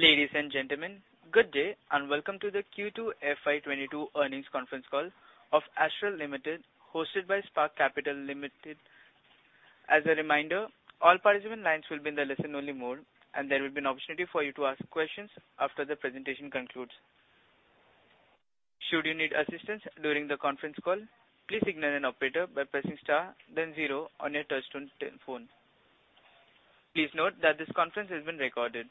Ladies and gentlemen, good day and welcome to the Q2 FY 2022 Earnings Conference Call of Astral Limited, hosted by Spark Capital Advisors. As a reminder, all participant lines will be in the listen-only mode, and there will be an opportunity for you to ask questions after the presentation concludes. Should you need assistance during the conference call, please signal an operator by pressing star then zero on your touch-tone telephone. Please note that this conference is being recorded.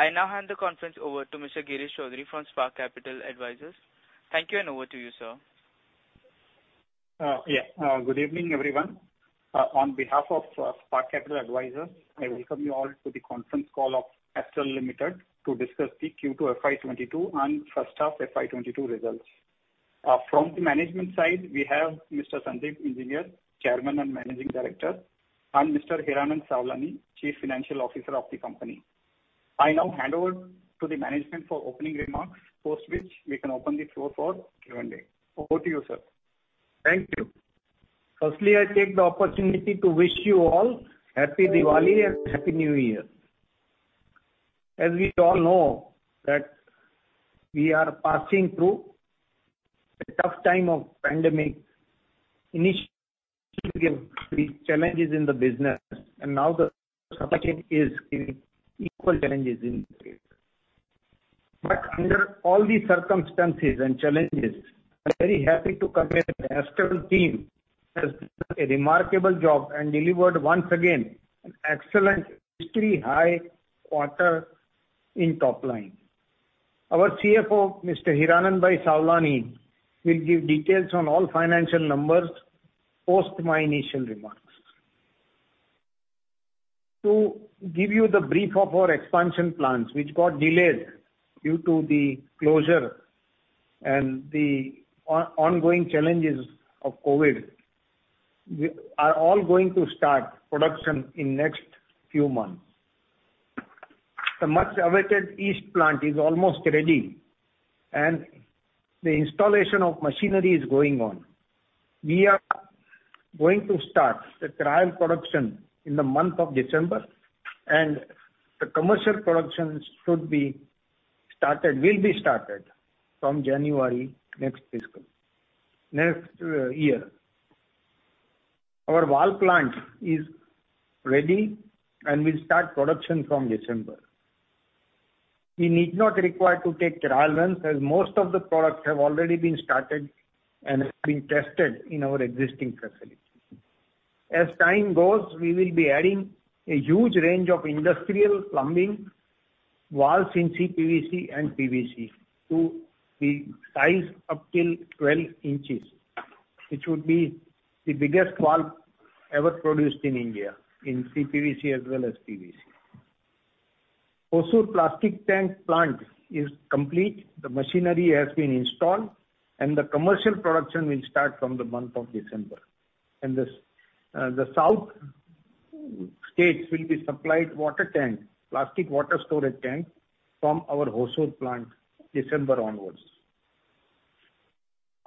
I now hand the conference over to Mr. Girish Choudhary from Spark Capital Advisors. Thank you, and over to you, sir. Good evening, everyone. On behalf of Spark Capital Advisors, I welcome you all to the conference call of Astral Limited to discuss the Q2 FY 2022 and First Half FY 2022 Results. From the management side, we have Mr. Sandeep Engineer, Chairman and Managing Director, and Mr. Hiranand Savlani, Chief Financial Officer of the company. I now hand over to the management for opening remarks, post which we can open the floor for Q&A. Over to you, sir. Thank you. Firstly, I take the opportunity to wish you all Happy Diwali and Happy New Year. As we all know, that we are passing through a tough time of pandemic. Initially, we have great challenges in the business, and now the supply chain is giving equal challenges in trade. Under all these circumstances and challenges, I'm very happy to convey the Astral team has done a remarkable job and delivered once again an excellent historically high quarter in top line. Our CFO, Mr. Hiranand bhai Savlani, will give details on all financial numbers post my initial remarks. To give you the brief of our expansion plans, which got delayed due to the closure and the ongoing challenges of COVID, we are all going to start production in next few months. The much-awaited East Plant is almost ready and the installation of machinery is going on. We are going to start the trial production in the month of December, and the commercial production should be started, will be started from January next year. Our valve plant is ready and will start production from December. We need not require to take trial runs, as most of the products have already been started and have been tested in our existing facilities. As time goes, we will be adding a huge range of industrial plumbing valves in CPVC and PVC to the size up to 12 in, which would be the biggest valve ever produced in India, in CPVC as well as PVC. Hosur plastic tank plant is complete. The machinery has been installed, and the commercial production will start from the month of December. The southern states will be supplied water tank, plastic water storage tank from our Hosur plant December onwards.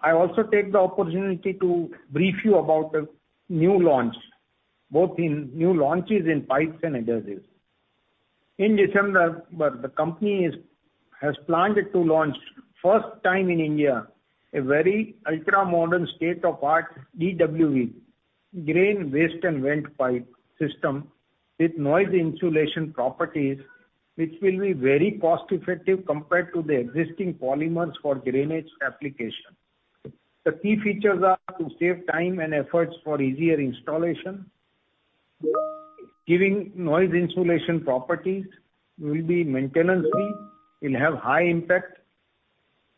I also take the opportunity to brief you about a new launch, both in new launches in pipes and adhesives. In December, the company has planned to launch first time in India, a very ultra-modern state-of-the-art DWV, drain waste and vent pipe system with noise insulation properties, which will be very cost-effective compared to the existing polymers for drainage application. The key features are to save time and efforts for easier installation, giving noise insulation properties, will be maintenance-free, will have high impact,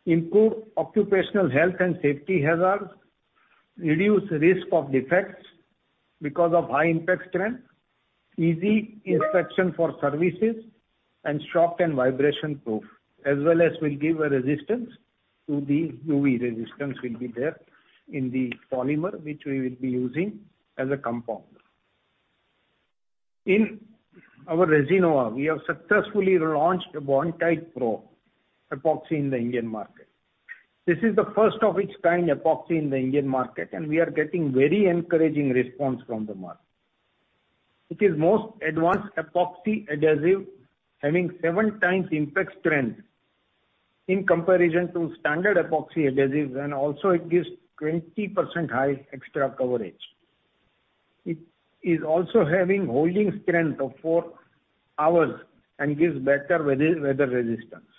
improve occupational health and safety hazards, reduce risk of defects because of high impact strength, easy inspection for services, and shock and vibration proof. UV resistance will be there in the polymer which we will be using as a compound. In our Resinova, we have successfully relaunched Bondtite PRO epoxy in the Indian market. This is the first of its kind epoxy in the Indian market, and we are getting very encouraging response from the market. It is most advanced epoxy adhesive, having seven times impact strength in comparison to standard epoxy adhesives, and also it gives 20% high extra coverage. It is also having holding strength of four hours and gives better weather resistance.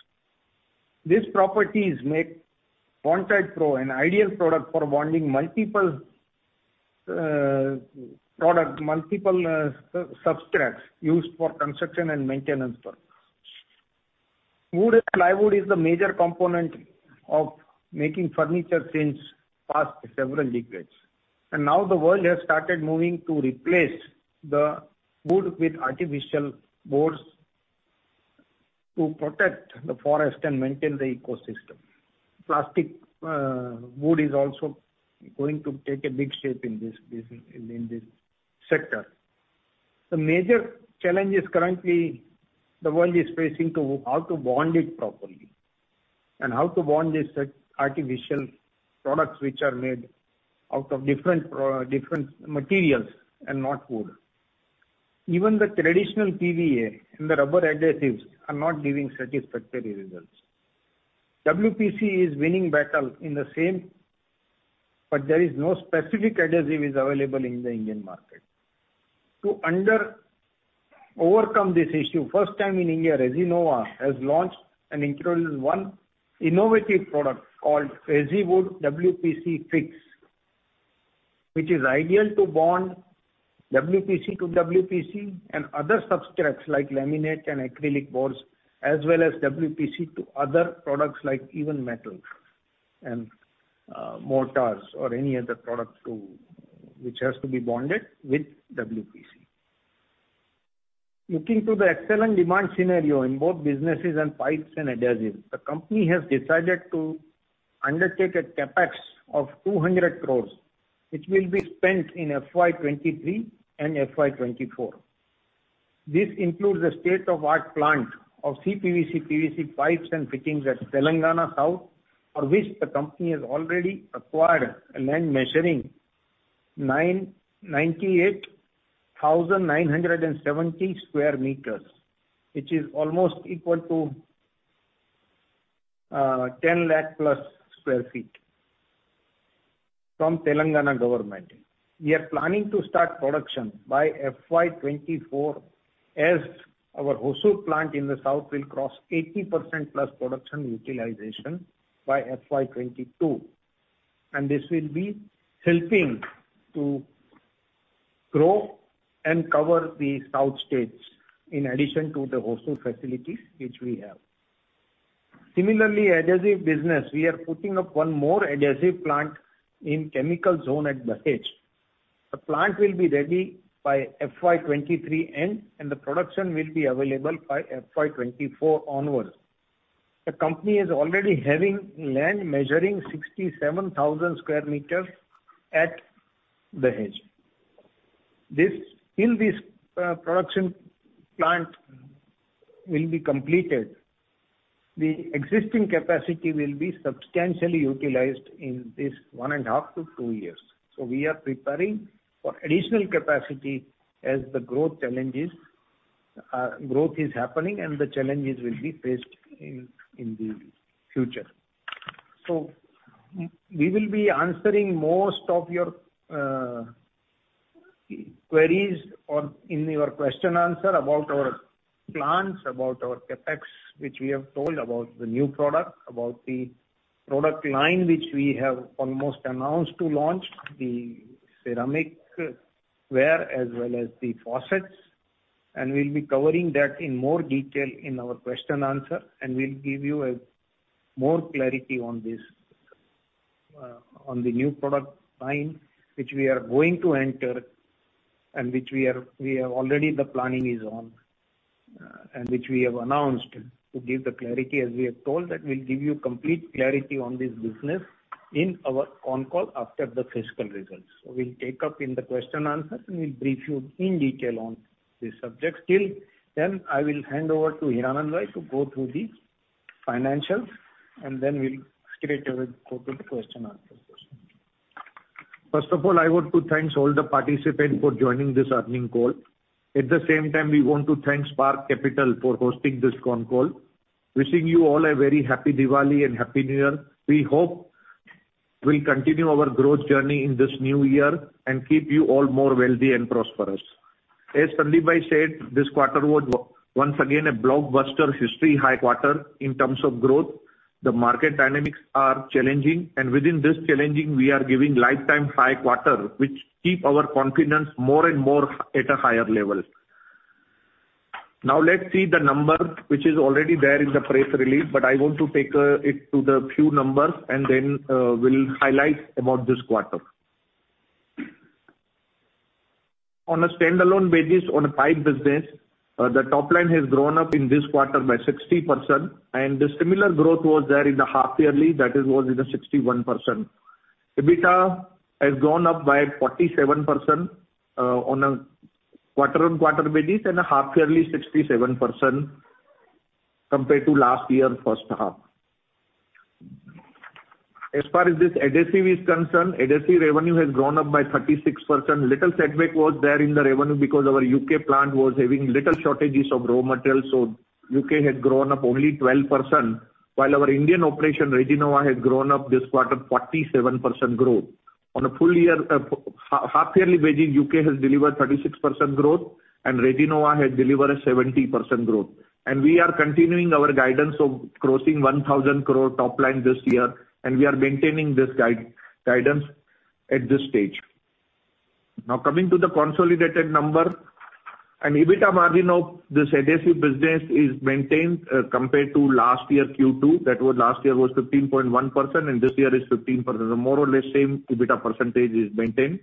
These properties make Bondtite PRO an ideal product for bonding multiple product, multiple substrates used for construction and maintenance purpose. Wood and plywood is the major component of making furniture since past several decades. Now the world has started moving to replace the wood with artificial boards to protect the forest and maintain the ecosystem. Plastic wood is also going to take a big shape in this sector. The major challenges currently the world is facing to how to bond it properly. How to bond this artificial products which are made out of different materials and not wood. Even the traditional PVA and rubber adhesives are not giving satisfactory results. WPC is winning battle in the same, but there is no specific adhesive available in the Indian market. To overcome this issue, first time in India, Resinova has launched and introduces one innovative product called Resiwood WPC Fix, which is ideal to bond WPC to WPC and other substrates like laminate and acrylic boards, as well as WPC to other products like even metals and mortars or any other product, which has to be bonded with WPC. Looking to the excellent demand scenario in both businesses and pipes and adhesives, the company has decided to undertake a CapEx of 200 crore, which will be spent in FY 2023 and FY 2024. This includes a state-of-the-art plant of CPVC, PVC pipes and fittings at Telangana South, for which the company has already acquired a land measuring 98,970 sq m, which is almost equal to 10 lakh+ sq ft from Telangana government. We are planning to start production by FY 2024, as our Hosur plant in the south will cross 80%+ production utilization by FY 2022. This will be helping to grow and cover the south states in addition to the Hosur facilities which we have. Similarly, adhesive business, we are putting up one more adhesive plant in chemical zone at Dahej. The plant will be ready by FY 2023 end, and the production will be available by FY 2024 onwards. The company is already having land measuring 67,000 sq m at Bhesana. Till this production plant will be completed, the existing capacity will be substantially utilized in this one and a half to two years. We are preparing for additional capacity as the growth is happening and the challenges will be faced in the future. We will be answering most of your queries or in your question answer about our plans, about our CapEx, which we have told about the new product, about the product line which we have almost announced to launch, the ceramic ware as well as the faucets. We'll be covering that in more detail in our question answer, and we'll give you more clarity on this, on the new product line which we are going to enter and which we are already the planning is on, and which we have announced to give the clarity. As we have told that we'll give you complete clarity on this business in our con call after the fiscal results. We'll take up in the question answer, and we'll brief you in detail on this subject. Till then, I will hand over to Hiranand Savlani to go through the financials, and then we'll straightaway go to the question answer session. First of all, I want to thank all the participants for joining this earnings call. At the same time, we want to thank Spark Capital for hosting this con call. Wishing you all a very happy Diwali and Happy New Year. We hope we'll continue our growth journey in this new year and keep you all more wealthy and prosperous. As Sandeep brother said, this quarter was once again a blockbuster historic high quarter in terms of growth. The market dynamics are challenging, and within this challenging, we are giving lifetime high quarter, which keep our confidence more and more at a higher level. Now let's see the numbers which is already there in the press release, but I want to take it through a few numbers and then we'll highlight about this quarter. On a standalone basis on pipe business, the top line has grown up in this quarter by 60%, and the similar growth was there in the half-yearly that it was 61%. EBITDA has grown up by 47% on a QoQ basis and a half-yearly 67% compared to last year first half. As far as this adhesive is concerned, adhesive revenue has grown up by 36%. Little setback was there in the revenue because our U.K. plant was having little shortages of raw materials, so U.K. had grown up only 12%, while our Indian operation, Resinova, had grown up this quarter 47% growth. On a full year, half-yearly basis, U.K. has delivered 36% growth, and Resinova has delivered a 70% growth. We are continuing our guidance of crossing 1,000 crore top line this year, and we are maintaining this guidance at this stage. Now coming to the consolidated number, an EBITDA margin of this adhesive business is maintained compared to last year Q2. That was last year 15.1% and this year is 15%. So more or less same EBITDA percentage is maintained.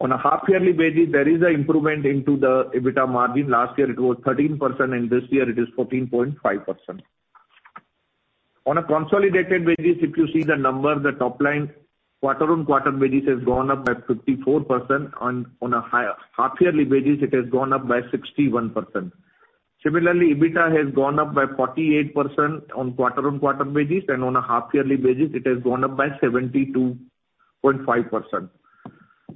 On a half-yearly basis, there is a improvement into the EBITDA margin. Last year it was 13% and this year it is 14.5%. On a consolidated basis, if you see the number, the top line. QoQ basis has gone up by 54% on a half-yearly basis it has gone up by 61%. EBITDA has gone up by 48% on QoQ basis, and on a half-yearly basis it has gone up by 72.5%.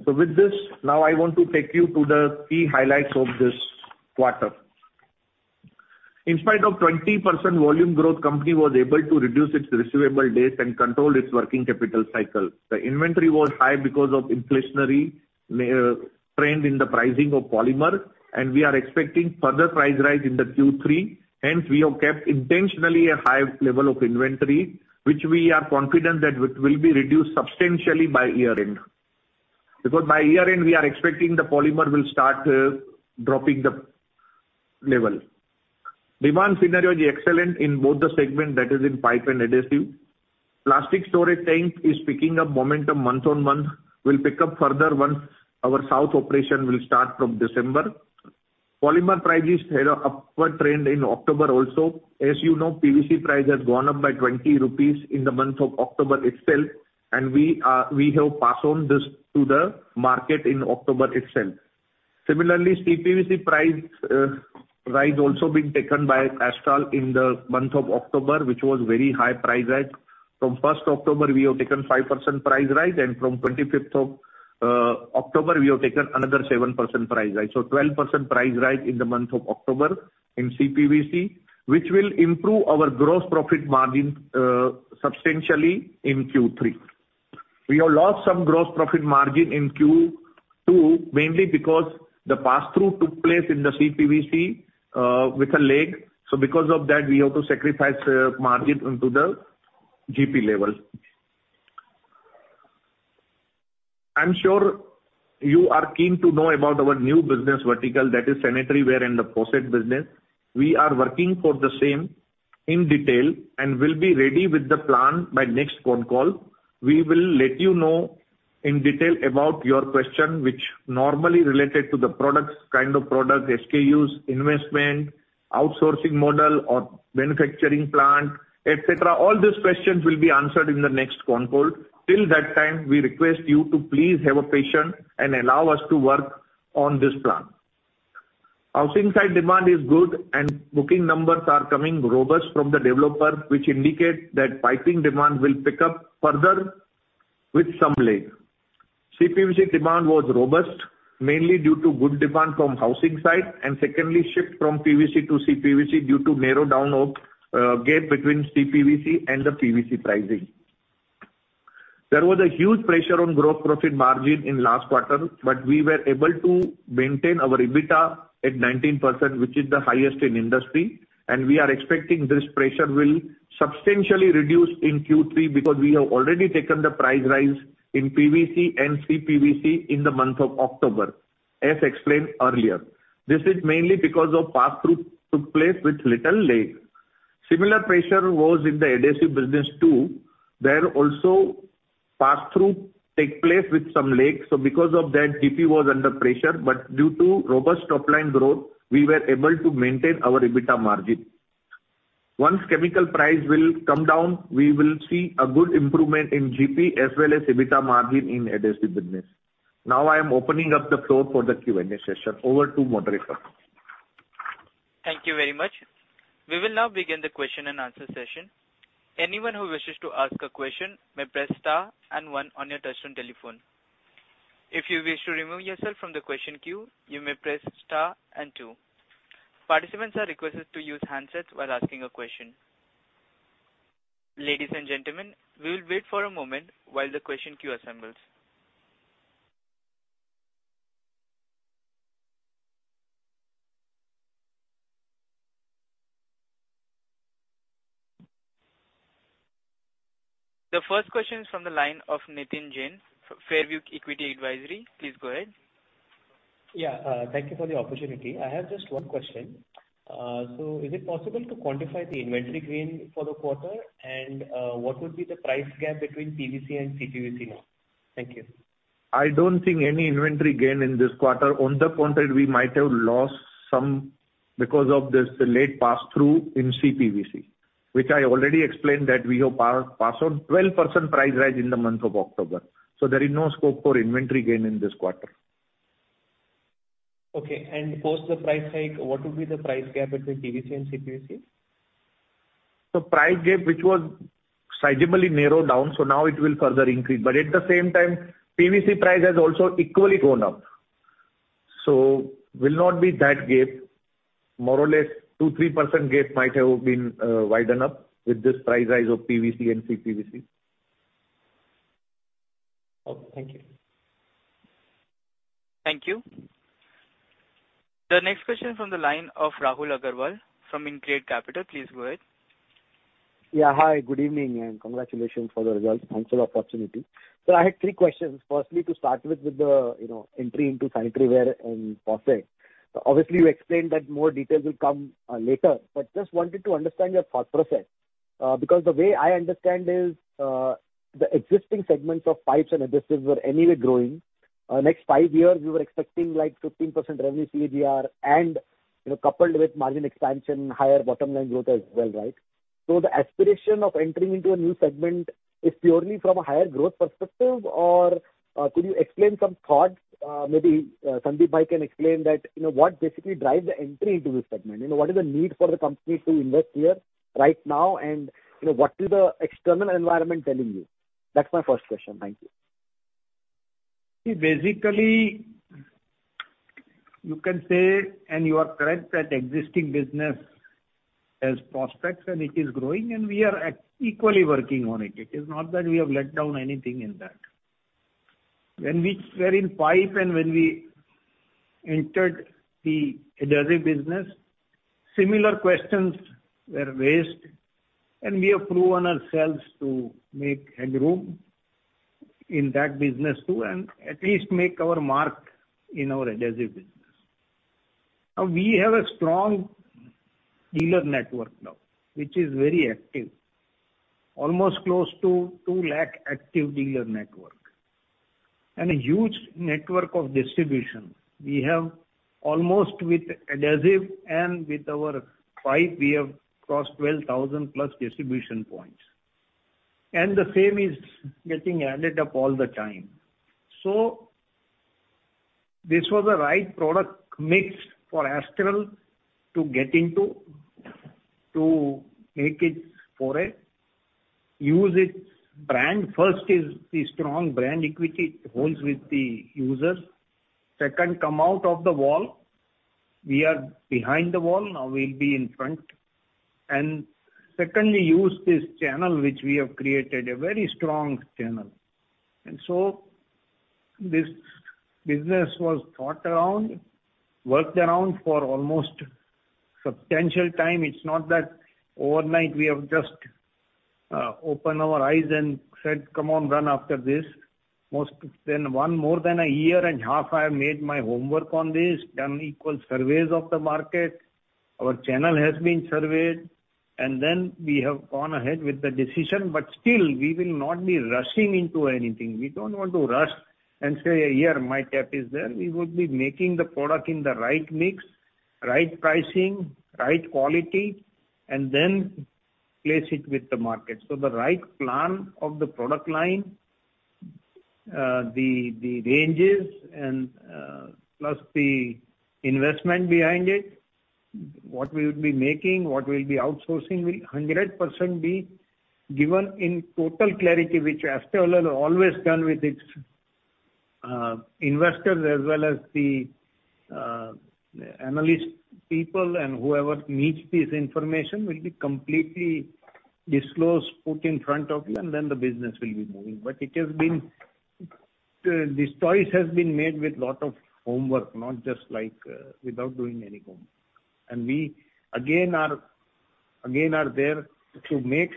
With this, now I want to take you to the key highlights of this quarter. In spite of 20% volume growth, company was able to reduce its receivable days and control its working capital cycle. The inventory was high because of inflationary trend in the pricing of polymer, and we are expecting further price rise in the Q3. Hence, we have kept intentionally a high level of inventory, which we are confident that it will be reduced substantially by year end. Because by year end, we are expecting the polymer will start dropping the level. Demand scenario is excellent in both the segment, that is in pipe and adhesive. Plastic storage tank is picking up momentum month-on-month, will pick up further once our south operation will start from December. Polymer prices had an upward trend in October also. As you know, PVC price has gone up by 20 rupees in the month of October itself, and we have passed on this to the market in October itself. Similarly, CPVC price rise also been taken by Astral in the month of October, which was very high price rise. From October 1st, we have taken 5% price rise, and from October 25th, we have taken another 7% price rise. So 12% price rise in the month of October in CPVC, which will improve our gross profit margin substantially in Q3. We have lost some gross profit margin in Q2, mainly because the pass-through took place in the CPVC with a lag. Because of that, we have to sacrifice margin into the GP levels. I am sure you are keen to know about our new business vertical, that is sanitaryware and the faucet business. We are working for the same in detail and will be ready with the plan by next phone call. We will let you know in detail about your question, which normally related to the products, kind of product, SKUs, investment, outsourcing model or manufacturing plant, et cetera. All these questions will be answered in the next phone call. Till that time, we request you to please have a patience and allow us to work on this plan. Housing side demand is good and booking numbers are coming robust from the developer, which indicate that piping demand will pick up further with some lag. CPVC demand was robust mainly due to good demand from housing side, and secondly, shift from PVC to CPVC due to narrow down of gap between CPVC and the PVC pricing. There was a huge pressure on gross profit margin in last quarter, but we were able to maintain our EBITDA at 19%, which is the highest in industry. We are expecting this pressure will substantially reduce in Q3 because we have already taken the price rise in PVC and CPVC in the month of October, as explained earlier. This is mainly because of pass-through took place with little lag. Similar pressure was in the adhesive business too. There also pass-through take place with some lag. Because of that, GP was under pressure, but due to robust top line growth, we were able to maintain our EBITDA margin. Once chemical price will come down, we will see a good improvement in GP as well as EBITDA margin in adhesive business. Now I am opening up the floor for the Q&A session. Over to moderator. Thank you very much. We will now begin the question-and-answer session. Anyone who wishes to ask a question may press star and one on your touch-tone telephone. If you wish to remove yourself from the question queue, you may press star and two. Participants are requested to use handsets while asking a question. Ladies and gentlemen, we will wait for a moment while the question queue assembles. The first question is from the line of Nitin Jain, Fairview Equity Advisory. Please go ahead. Thank you for the opportunity. I have just one question. Is it possible to quantify the inventory gain for the quarter? What would be the price gap between PVC and CPVC now? Thank you. I don't think any inventory gain in this quarter. On the contrary, we might have lost some because of this late pass-through in CPVC, which I already explained that we have passed on 12% price rise in the month of October. There is no scope for inventory gain in this quarter. Okay. Post the price hike, what would be the price gap between PVC and CPVC? The price gap, which was sizably narrowed down, so now it will further increase. At the same time, PVC price has also equally gone up. It will not be that gap. More or less 2%-3% gap might have been widened up with this price rise of PVC and CPVC. Okay, thank you. Thank you. The next question from the line of Rahul Agarwal from InCred Capital. Please go ahead. Hi, good evening, and congratulations for the results. Thanks for the opportunity. I had three questions. Firstly, to start with the, you know, entry into Sanitaryware and Faucets. Obviously, you explained that more details will come later. Just wanted to understand your thought process. Because the way I understand is, the existing segments of pipes and adhesives were anyway growing. Next five years, we were expecting like 15% revenue CAGR, and, you know, coupled with margin expansion, higher bottom line growth as well, right? The aspiration of entering into a new segment is purely from a higher growth perspective, or could you explain some thoughts, maybe Sandeep, I can explain that, you know, what basically drive the entry into this segment? You know, what is the need for the company to invest here right now? You know, what is the external environment telling you? That's my first question. Thank you. See, basically, you can say, and you are correct, that existing business has prospects and it is growing, and we are equally working on it. It is not that we have let down anything in that. When we were in pipe and when we entered the adhesive business, similar questions were raised, and we have proven ourselves to make headway in that business too, and at least make our mark in our adhesive business. Now, we have a strong dealer network now, which is very active, almost close to 2 lakh active dealer network and a huge network of distribution. We have almost with adhesive and with our pipe, we have crossed 12,000+ distribution points. The same is getting added up all the time. This was the right product mix for Astral to get into, to make it for it, use its brand. First is the strong brand equity it holds with the users. Second, come out of the wall. We are behind the wall, now we'll be in front. Secondly, use this channel which we have created, a very strong channel. This business was thought around, worked around for almost substantial time. It's not that overnight we have just opened our eyes and said, "Come on, run after this." More than a year and a half, I have made my homework on this, done a couple of surveys of the market. Our channel has been surveyed, and then we have gone ahead with the decision, but still we will not be rushing into anything. We don't want to rush and say, "Here, my tap is there." We would be making the product in the right mix, right pricing, right quality, and then place it with the market. The right plan of the product line, the ranges and, plus the investment behind it, what we would be making, what we'll be outsourcing will 100% be given in total clarity, which Astral has always done with its investors as well as the analyst people and whoever needs this information will be completely disclosed, put in front of you, and then the business will be moving. It has been this choice has been made with a lot of homework, not just like without doing any homework. We again are there to make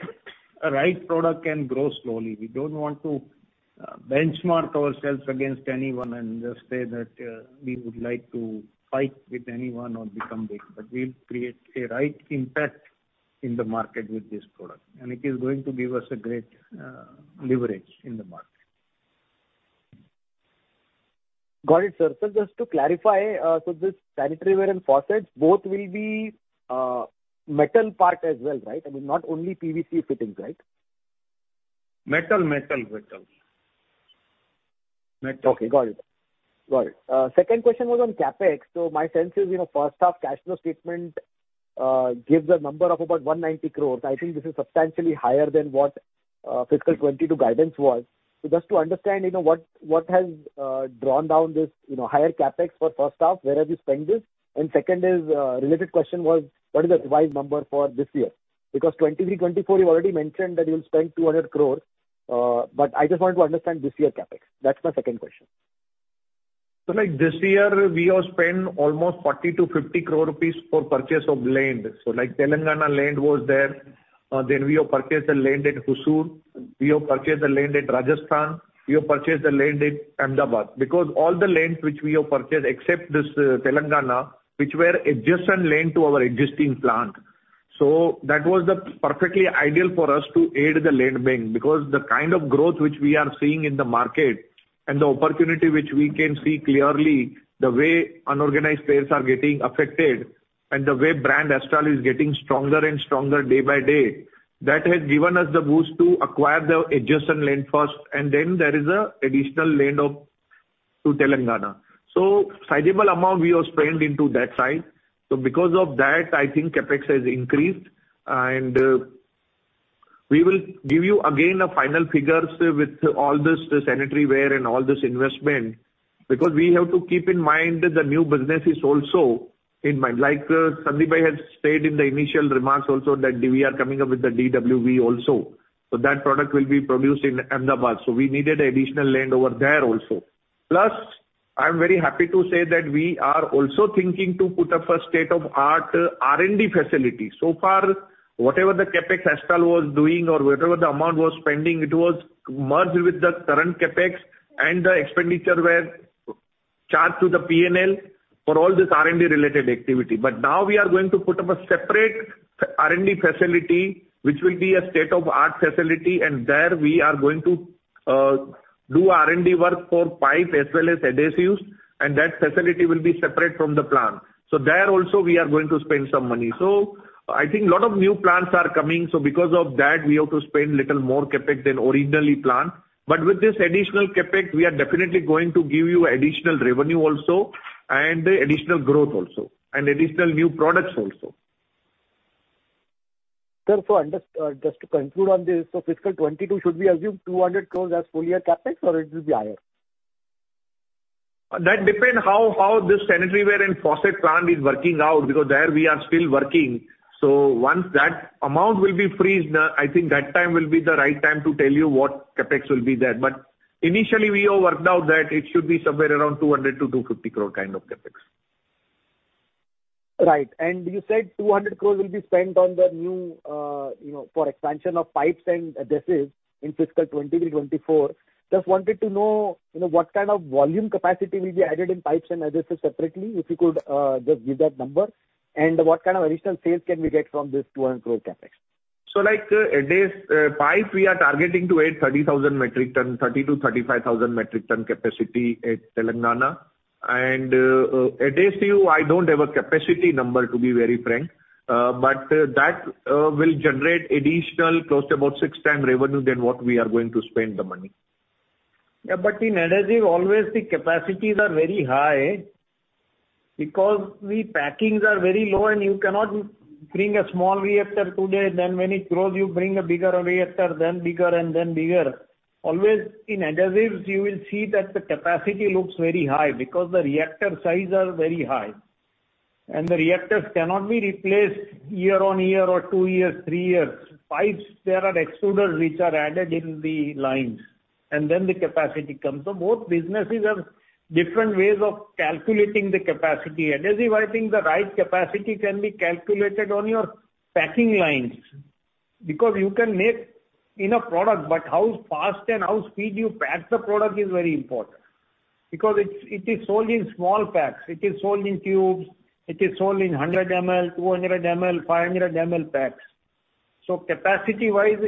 a right product and grow slowly. We don't want to benchmark ourselves against anyone and just say that we would like to fight with anyone or become big. We'll create a right impact in the market with this product, and it is going to give us a great leverage in the market. Got it, sir. Sir, just to clarify, this Sanitaryware and Faucets, both will be metal part as well, right? I mean, not only PVC fittings, right? Metal. Okay, got it. Second question was on CapEx. My sense is, you know, first half cash flow statement gives a number of about 190 crores. I think this is substantially higher than what fiscal FY 2022 guidance was. Just to understand, you know, what has drawn down this, you know, higher CapEx for first half, where have you spent this? And second is related question was what is the revised number for this year? Because 2023, 2024, you already mentioned that you'll spend 200 crores. But I just want to understand this year's CapEx. That's my second question. Like this year we have spent almost 40 crore-50 crore rupees for purchase of land. Like Telangana land was there, then we have purchased the land at Hosur. We have purchased the land at Rajasthan. We have purchased the land at Ahmedabad. Because all the lands which we have purchased except this, Telangana, which were adjacent land to our existing plant. That was the perfectly ideal for us to add to the land bank because the kind of growth which we are seeing in the market and the opportunity which we can see clearly, the way unorganized players are getting affected and the way brand Astral is getting stronger and stronger day by day, that has given us the boost to acquire the adjacent land first, and then there is a additional land to Telangana. Sizable amount we have spent into that side. Because of that, I think CapEx has increased. We will give you again a final figures with all this sanitaryware and all this investment because we have to keep in mind the new businesses also in mind. Like Sandeep has said in the initial remarks also that we are coming up with the DWV also. That product will be produced in Ahmedabad, so we needed additional land over there also. Plus, I'm very happy to say that we are also thinking to put up a state-of-the-art R&D facility. So far, whatever the CapEx Astral was doing or whatever the amount was spending, it was merged with the current CapEx and the expenditure where. Charged to the P&L for all this R&D related activity. Now we are going to put up a separate R&D facility, which will be a state-of-the-art facility, and there we are going to do R&D work for pipes as well as adhesives, and that facility will be separate from the plant. There also we are going to spend some money. I think a lot of new plants are coming, so because of that, we have to spend a little more CapEx than originally planned. With this additional CapEx, we are definitely going to give you additional revenue also and additional growth also and additional new products also. Sir, just to conclude on this, fiscal 2022 should be assumed 200 crore as full year CapEx or it will be higher? That depends how this Sanitaryware and Faucet plant is working out, because there we are still working. Once that amount will be frozen, I think that time will be the right time to tell you what CapEx will be there. Initially, we have worked out that it should be somewhere around 200 crore-250 crore kind of CapEx. Right. You said 200 crore will be spent on the new, you know, for expansion of pipes and adhesives in fiscal 2020 to fiscal 2024. Just wanted to know, you know, what kind of volume capacity will be added in pipes and adhesives separately, if you could, just give that number. What kind of additional sales can we get from this 200 crore CapEx? This pipe we are targeting to add 30,000-35,000 metric tons capacity at Telangana. Adhesive, I don't have a capacity number, to be very frank. But that will generate additional close to about six times revenue than what we are going to spend the money. Yeah, in adhesive, always the capacities are very high because the packings are very low and you cannot bring a small reactor today, then when it grows you bring a bigger reactor, then bigger and then bigger. Always in adhesives, you will see that the capacity looks very high because the reactor sizes are very high. The reactors cannot be replaced YoY or two years, three years. Pipes, there are extruders which are added in the lines, and then the capacity comes up. Both businesses have different ways of calculating the capacity. Adhesive, I think the right capacity can be calculated on your packing lines because you can make enough product, but how fast and how speed you pack the product is very important. Because it is sold in small packs. It is sold in tubes. It is sold in 100 ml, 200 ml, 500 ml packs. Capacity-wise,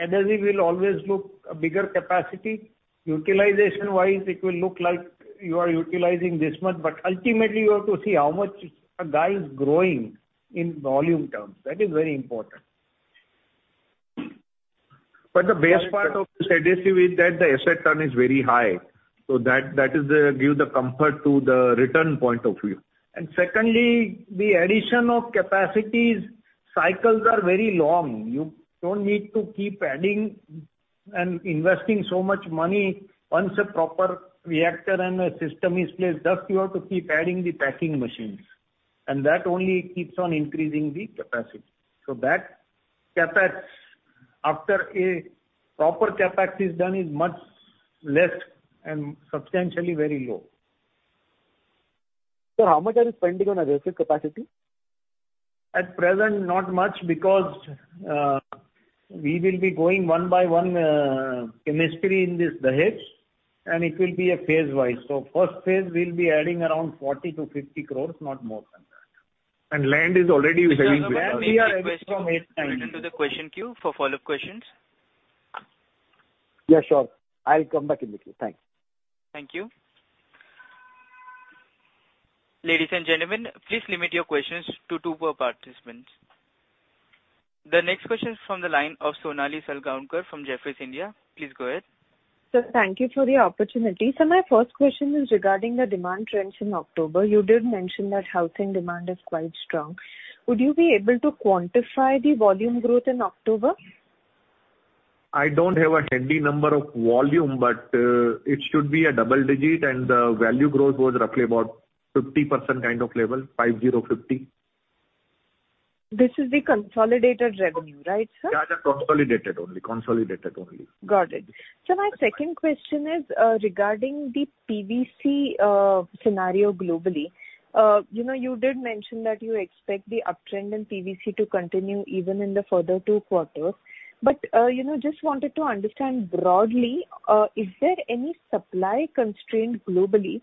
adhesive will always look a bigger capacity. Utilization-wise, it will look like you are utilizing this much, but ultimately you have to see how much a guy is growing in volume terms. That is very important. The best part of this adhesive is that the asset turn is very high. That gives the comfort to the return point of view. Secondly, the addition of capacity cycles are very long. You don't need to keep adding and investing so much money. Once a proper reactor and a system is placed, just you have to keep adding the packing machines, and that only keeps on increasing the capacity. That CapEx, after a proper CapEx is done, is much less and substantially very low. How much are you spending on adhesive capacity? At present, not much because we will be going one by one, chemistry in this Dahej, and it will be a phase-wise. First phase we'll be adding around 40 crore-50 crore, not more than that. Land is already with us. Sir, may I take this question and put it into the question queue for follow-up questions? Yeah, sure. I'll come back in the queue. Thank you. Thank you. Ladies and gentlemen, please limit your questions to two per participant. The next question is from the line of Sonali Salgaonkar from Jefferies India. Please go ahead. Sir, thank you for the opportunity. My first question is regarding the demand trends in October. You did mention that housing demand is quite strong. Would you be able to quantify the volume growth in October? I don't have a handy number for volume, but it should be double-digit and the value growth was roughly about 50% kind of level, 50%. This is the consolidated revenue, right, sir? Yeah, the consolidated only. Got it. My second question is regarding the PVC scenario globally. You know, you did mention that you expect the uptrend in PVC to continue even in the further two quarters. You know, just wanted to understand broadly, is there any supply constraint globally?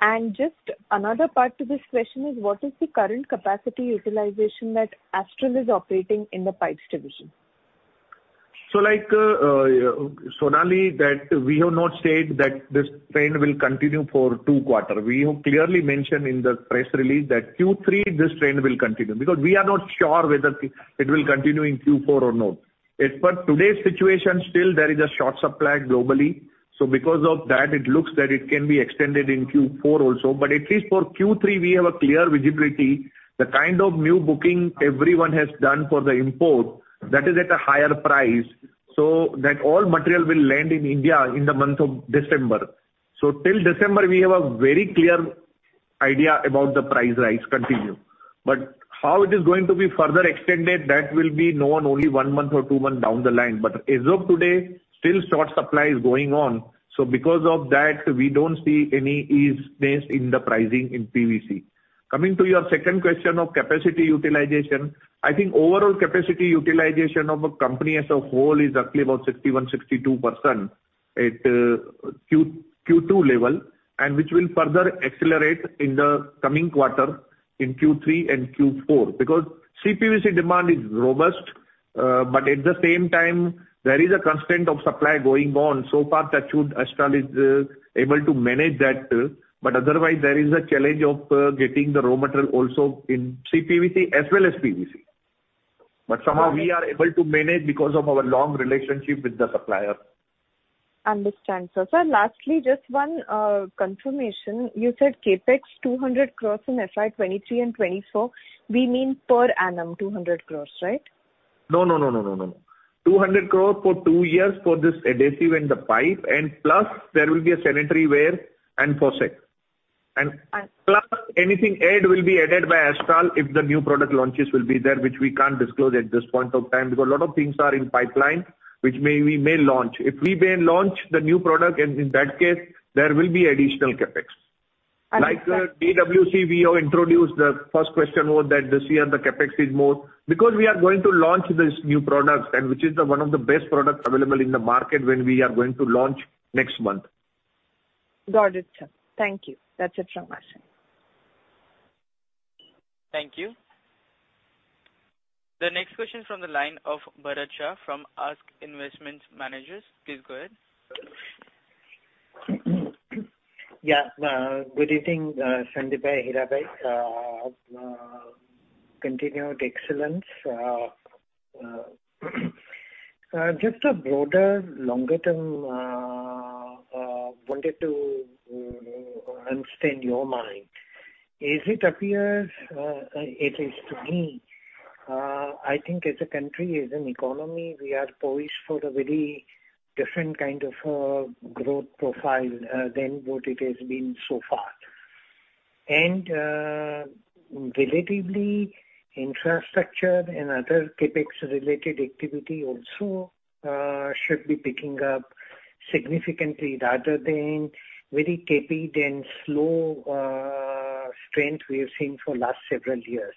And just another part to this question is what is the current capacity utilization that Astral is operating in the pipes division? Like, Sonali, that we have not said that this trend will continue for two quarter. We have clearly mentioned in the press release that Q3, this trend will continue, because we are not sure whether it will continue in Q4 or not. As per today's situation, still there is a short supply globally. Because of that, it looks that it can be extended in Q4 also. But at least for Q3 we have a clear visibility. The kind of new booking everyone has done for the import, that is at a higher price. That all material will land in India in the month of December. Till December we have a very clear idea about the price rise continue. But how it is going to be further extended, that will be known only one month or two month down the line. As of today, still short supply is going on. Because of that, we don't see any easing in the pricing in PVC. Coming to your second question of capacity utilization, I think overall capacity utilization of a company as a whole is roughly about 61%-62% at Q2 level, which will further accelerate in the coming quarter in Q3 and Q4. Because CPVC demand is robust, but at the same time there is a constraint of supply going on. Astral is able to manage that, but otherwise there is a challenge of getting the raw material also in CPVC as well as PVC. Somehow we are able to manage because of our long relationship with the supplier. Understood, sir. Sir, lastly, just one confirmation. You said CapEx 200 crore in FY 2023 and 2024, we mean per annum 200 crore, right? No. 200 crores for two years for this adhesive and the pipe, and plus there will be a Sanitaryware and Faucet. Uh. Plus anything added will be added by Astral if the new product launches will be there, which we can't disclose at this point of time because a lot of things are in pipeline we may launch. If we may launch the new product, in that case there will be additional CapEx. Understood. Like, CPVC, we have introduced the first question was that this year the CapEx is more because we are going to launch these new products and which is the one of the best products available in the market when we are going to launch next month. Got it, sir. Thank you. That's it from my side. Thank you. The next question from the line of Bharat Shah from ASK Investment Managers. Please go ahead. Good evening, Sandeep bhai, Hiranand bhai. Continued excellence. Just a broader longer-term wanted to understand your mind. As it appears, at least to me, I think as a country, as an economy, we are poised for a very different kind of a growth profile than what it has been so far. Relatively, infrastructure and other CapEx related activity also should be picking up significantly rather than very tepid and slow strength we have seen for last several years.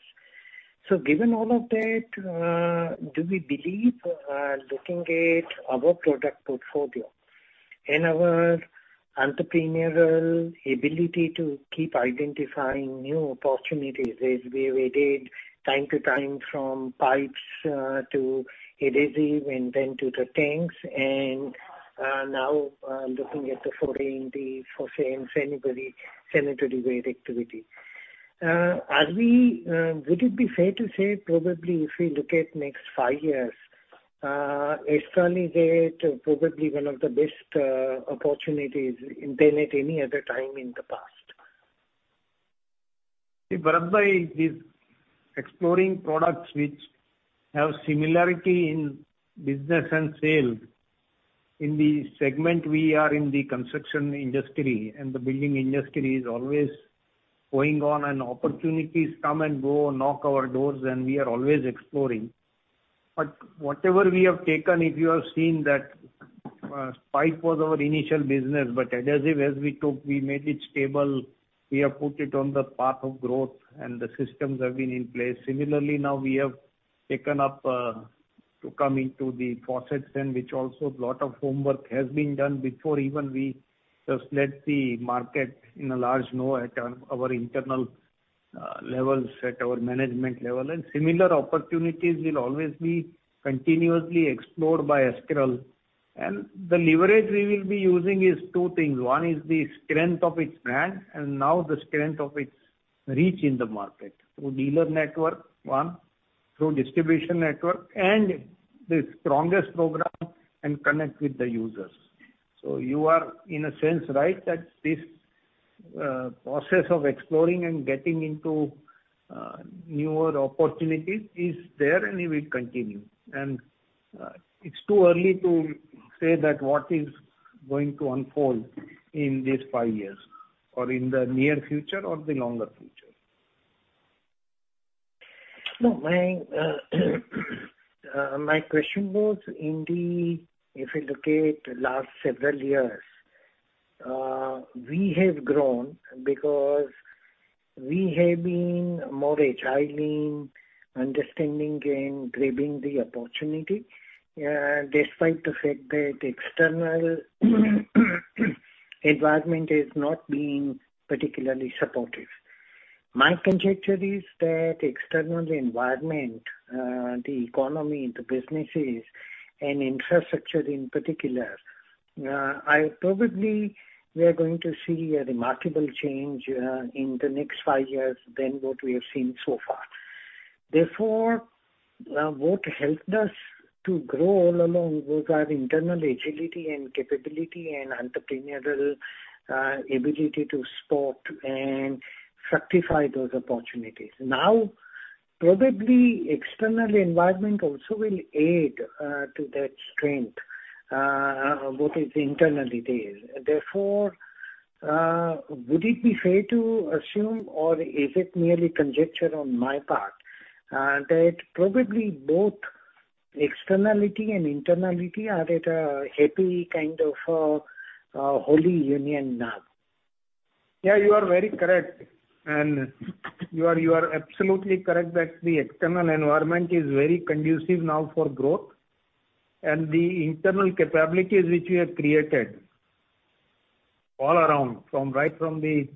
Given all of that, do we believe, looking at our product portfolio and our entrepreneurial ability to keep identifying new opportunities as we have added from time to time from pipes to adhesive and then to the tanks and now looking at the SCH 40, SCH 80 sanitaryware activity. Would it be fair to say probably if we look at next five years, Astral is at probably one of the best opportunities than at any other time in the past? See, Bharat bhai, we are exploring products which have similarity in business and sales. In the segment we are in, the construction industry and the building industry is always going on and opportunities come and go, knock on our doors and we are always exploring. Whatever we have taken, if you have seen that, pipe was our initial business, but adhesive as we took, we made it stable. We have put it on the path of growth and the systems have been in place. Similarly, now we have taken up to come into the faucets and which also a lot of homework has been done before even we just let the market know at large at our internal levels, at our management level. Similar opportunities will always be continuously explored by Astral. The leverage we will be using is two things. One is the strength of its brand and now the strength of its reach in the market. Through dealer network one, through distribution network and the strongest program and connect with the users. You are in a sense right that this process of exploring and getting into newer opportunities is there and it will continue. It's too early to say that what is going to unfold in these five years or in the near future or the longer future. No, my question was. If you look at last several years, we have grown because we have been more agile in understanding and grabbing the opportunity, despite the fact that external environment has not been particularly supportive. My conjecture is that external environment, the economy, the businesses and infrastructure in particular, we probably are going to see a remarkable change in the next five years than what we have seen so far. Therefore, what helped us to grow all along was our internal agility and capability and entrepreneurial ability to spot and fructify those opportunities. Now, probably external environment also will aid to that strength, what is internally there. Therefore, would it be fair to assume or is it merely conjecture on my part, that probably both externality and internality are at a happy kind of, holy union now. Yeah, you are very correct. You are absolutely correct that the external environment is very conducive now for growth. The internal capabilities which we have created all around, from the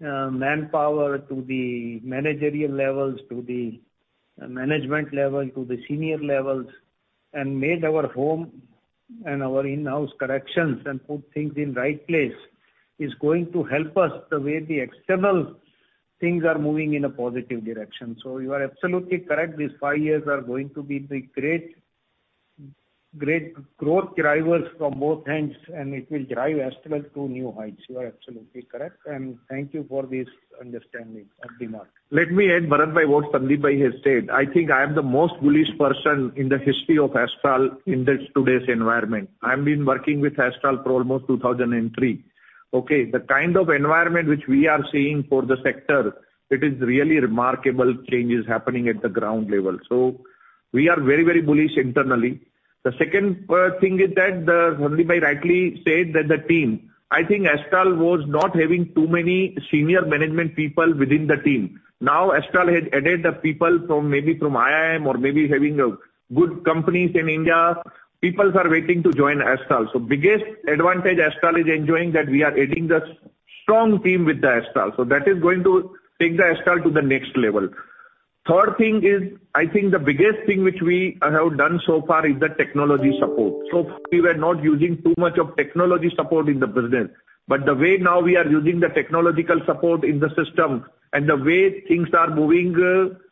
manpower to the managerial levels to the management level, to the senior levels, and made our own in-house corrections and put things in right place, is going to help us the way the external things are moving in a positive direction. You are absolutely correct. These five years are going to be the great growth drivers from both ends, and it will drive Astral to new heights. You are absolutely correct, and thank you for this understanding of the market. Let me add, Bharat bhai, what Sandeep bhai has said. I think I am the most bullish person in the history of Astral in this today's environment. I've been working with Astral for almost 2003, okay? The kind of environment which we are seeing for the sector, it is really remarkable changes happening at the ground level. We are very, very bullish internally. The second thing is that Sandeep bhai rightly said that the team, I think Astral was not having too many senior management people within the team. Now, Astral has added the people from maybe from IIM or maybe having good companies in India. People are waiting to join Astral. Biggest advantage Astral is enjoying, that we are adding the strong team with the Astral. That is going to take the Astral to the next level. Third thing is, I think the biggest thing which we have done so far is the technology support. So far we were not using too much of technology support in the business. The way now we are using the technological support in the system and the way things are moving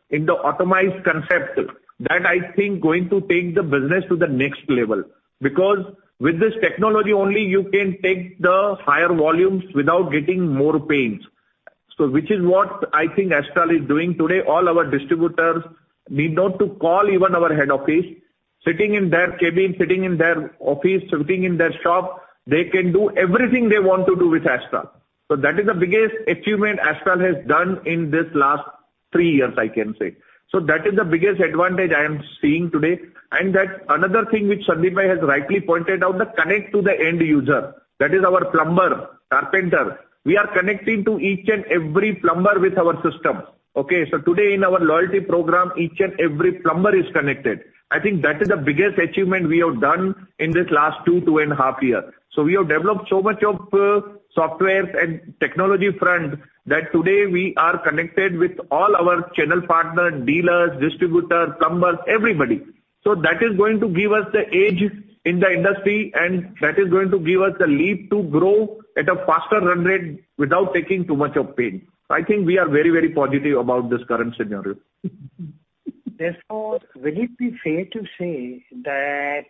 in the automated concept, that I think going to take the business to the next level. Because with this technology only you can take the higher volumes without getting more pains. Which is what I think Astral is doing today. All our distributors need not to call even our head office. Sitting in their cabin, sitting in their office, sitting in their shop, they can do everything they want to do with Astral. That is the biggest achievement Astral has done in this last three years, I can say. That is the biggest advantage I am seeing today. That another thing which Sandeep bhai has rightly pointed out, the connect to the end user, that is our plumber, carpenter. We are connecting to each and every plumber with our system. Okay? Today in our loyalty program, each and every plumber is connected. I think that is the biggest achievement we have done in this last two and a half year. We have developed so much of software and technology front that today we are connected with all our channel partner, dealers, distributor, plumbers, everybody. That is going to give us the edge in the industry, and that is going to give us a leap to grow at a faster run rate without taking too much of pain. I think we are very, very positive about this current scenario. Therefore, will it be fair to say that,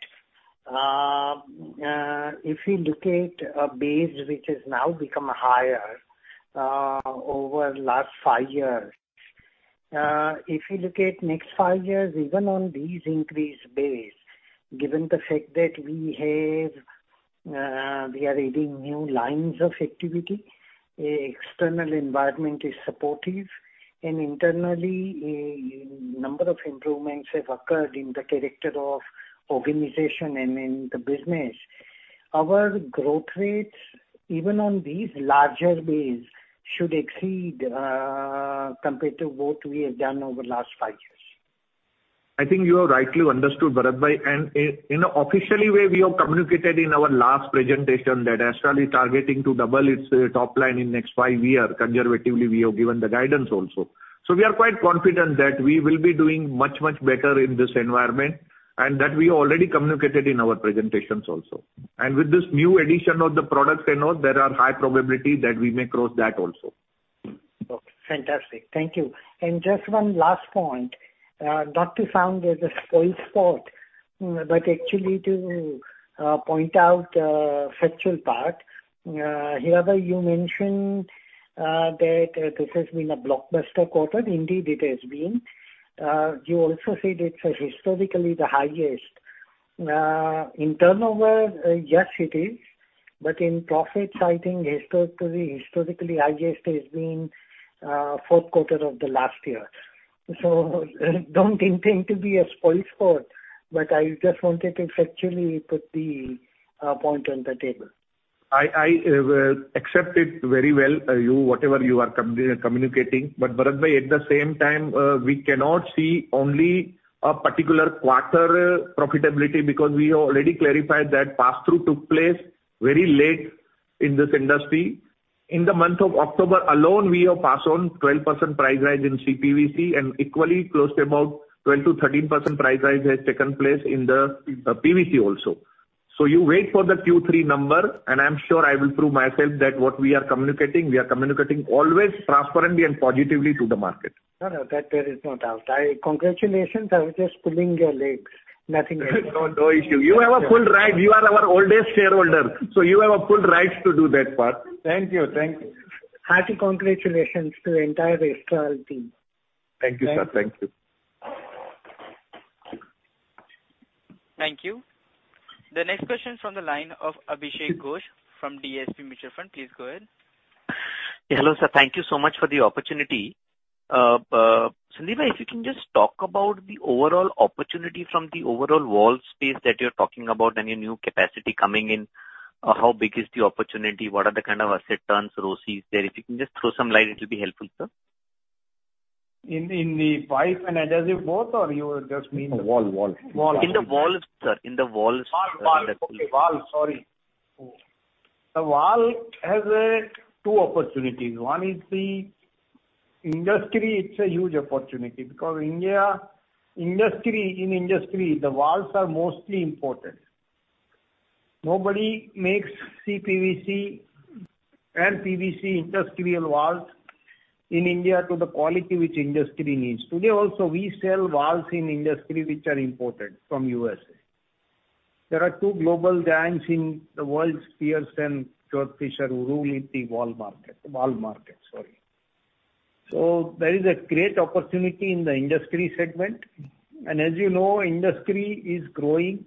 if you look at a base which has now become higher, over last five years, if you look at next five years, even on these increased base, given the fact that we have, we are adding new lines of activity, external environment is supportive and internally, a, number of improvements have occurred in the character of organization and in the business, our growth rates, even on these larger base should exceed, compared to what we have done over the last five years. I think you have rightly understood, Bharat bhai. In an official way, we have communicated in our last presentation that Astral is targeting to double its top line in next five year. Conservatively, we have given the guidance also. We are quite confident that we will be doing much, much better in this environment and that we already communicated in our presentations also. With this new addition of the products and all, there are high probability that we may cross that also. Okay. Fantastic. Thank you. Just one last point, not to sound like a spoilsport, but actually to point out factual part. You mentioned that this has been a blockbuster quarter. Indeed it has been. You also said it's historically the highest in turnover, yes it is. But in profits, I think historically highest has been fourth quarter of the last year. Don't intend to be a spoilsport, but I just wanted to factually put the point on the table. I accept it very well, whatever you are communicating. Bharat bhai, at the same time, we cannot see only a particular quarter profitability because we already clarified that pass-through took place very late in this industry. In the month of October alone we have passed on 12% price rise in CPVC and equally close to about 12%-13% price rise has taken place in the PVC also. You wait for the Q3 number and I'm sure I will prove myself that what we are communicating, we are communicating always transparently and positively to the market. No, no. That there is no doubt. Congratulations. I was just pulling your leg. Nothing else. No, no issue. You have a full right. You are our oldest shareholder, so you have a full rights to do that part. Thank you. Happy congratulations to entire Astral team. Thank you, sir. Thank you. Thank you. The next question from the line of Abhishek Ghosh from DSP Mutual Fund, please go ahead. Hello, sir. Thank you so much for the opportunity. Sandeep, if you can just talk about the overall opportunity from the overall valve space that you're talking about and your new capacity coming in. How big is the opportunity? What are the kind of asset turns, ROCEs there? If you can just throw some light, it'll be helpful, sir. In the pipe and adhesive both, or you just mean? Well. Wall. In the valves, sir. The valve has two opportunities. One is the industry. It's a huge opportunity because Indian industry, in industry, the valves are mostly imported. Nobody makes CPVC and PVC industrial valves in India to the quality which industry needs. Today also we sell valves in industry which are imported from USA. There are two global giants in the world, Spears and Georg Fischer, who rule the valve market. There is a great opportunity in the industry segment. As you know, industry is growing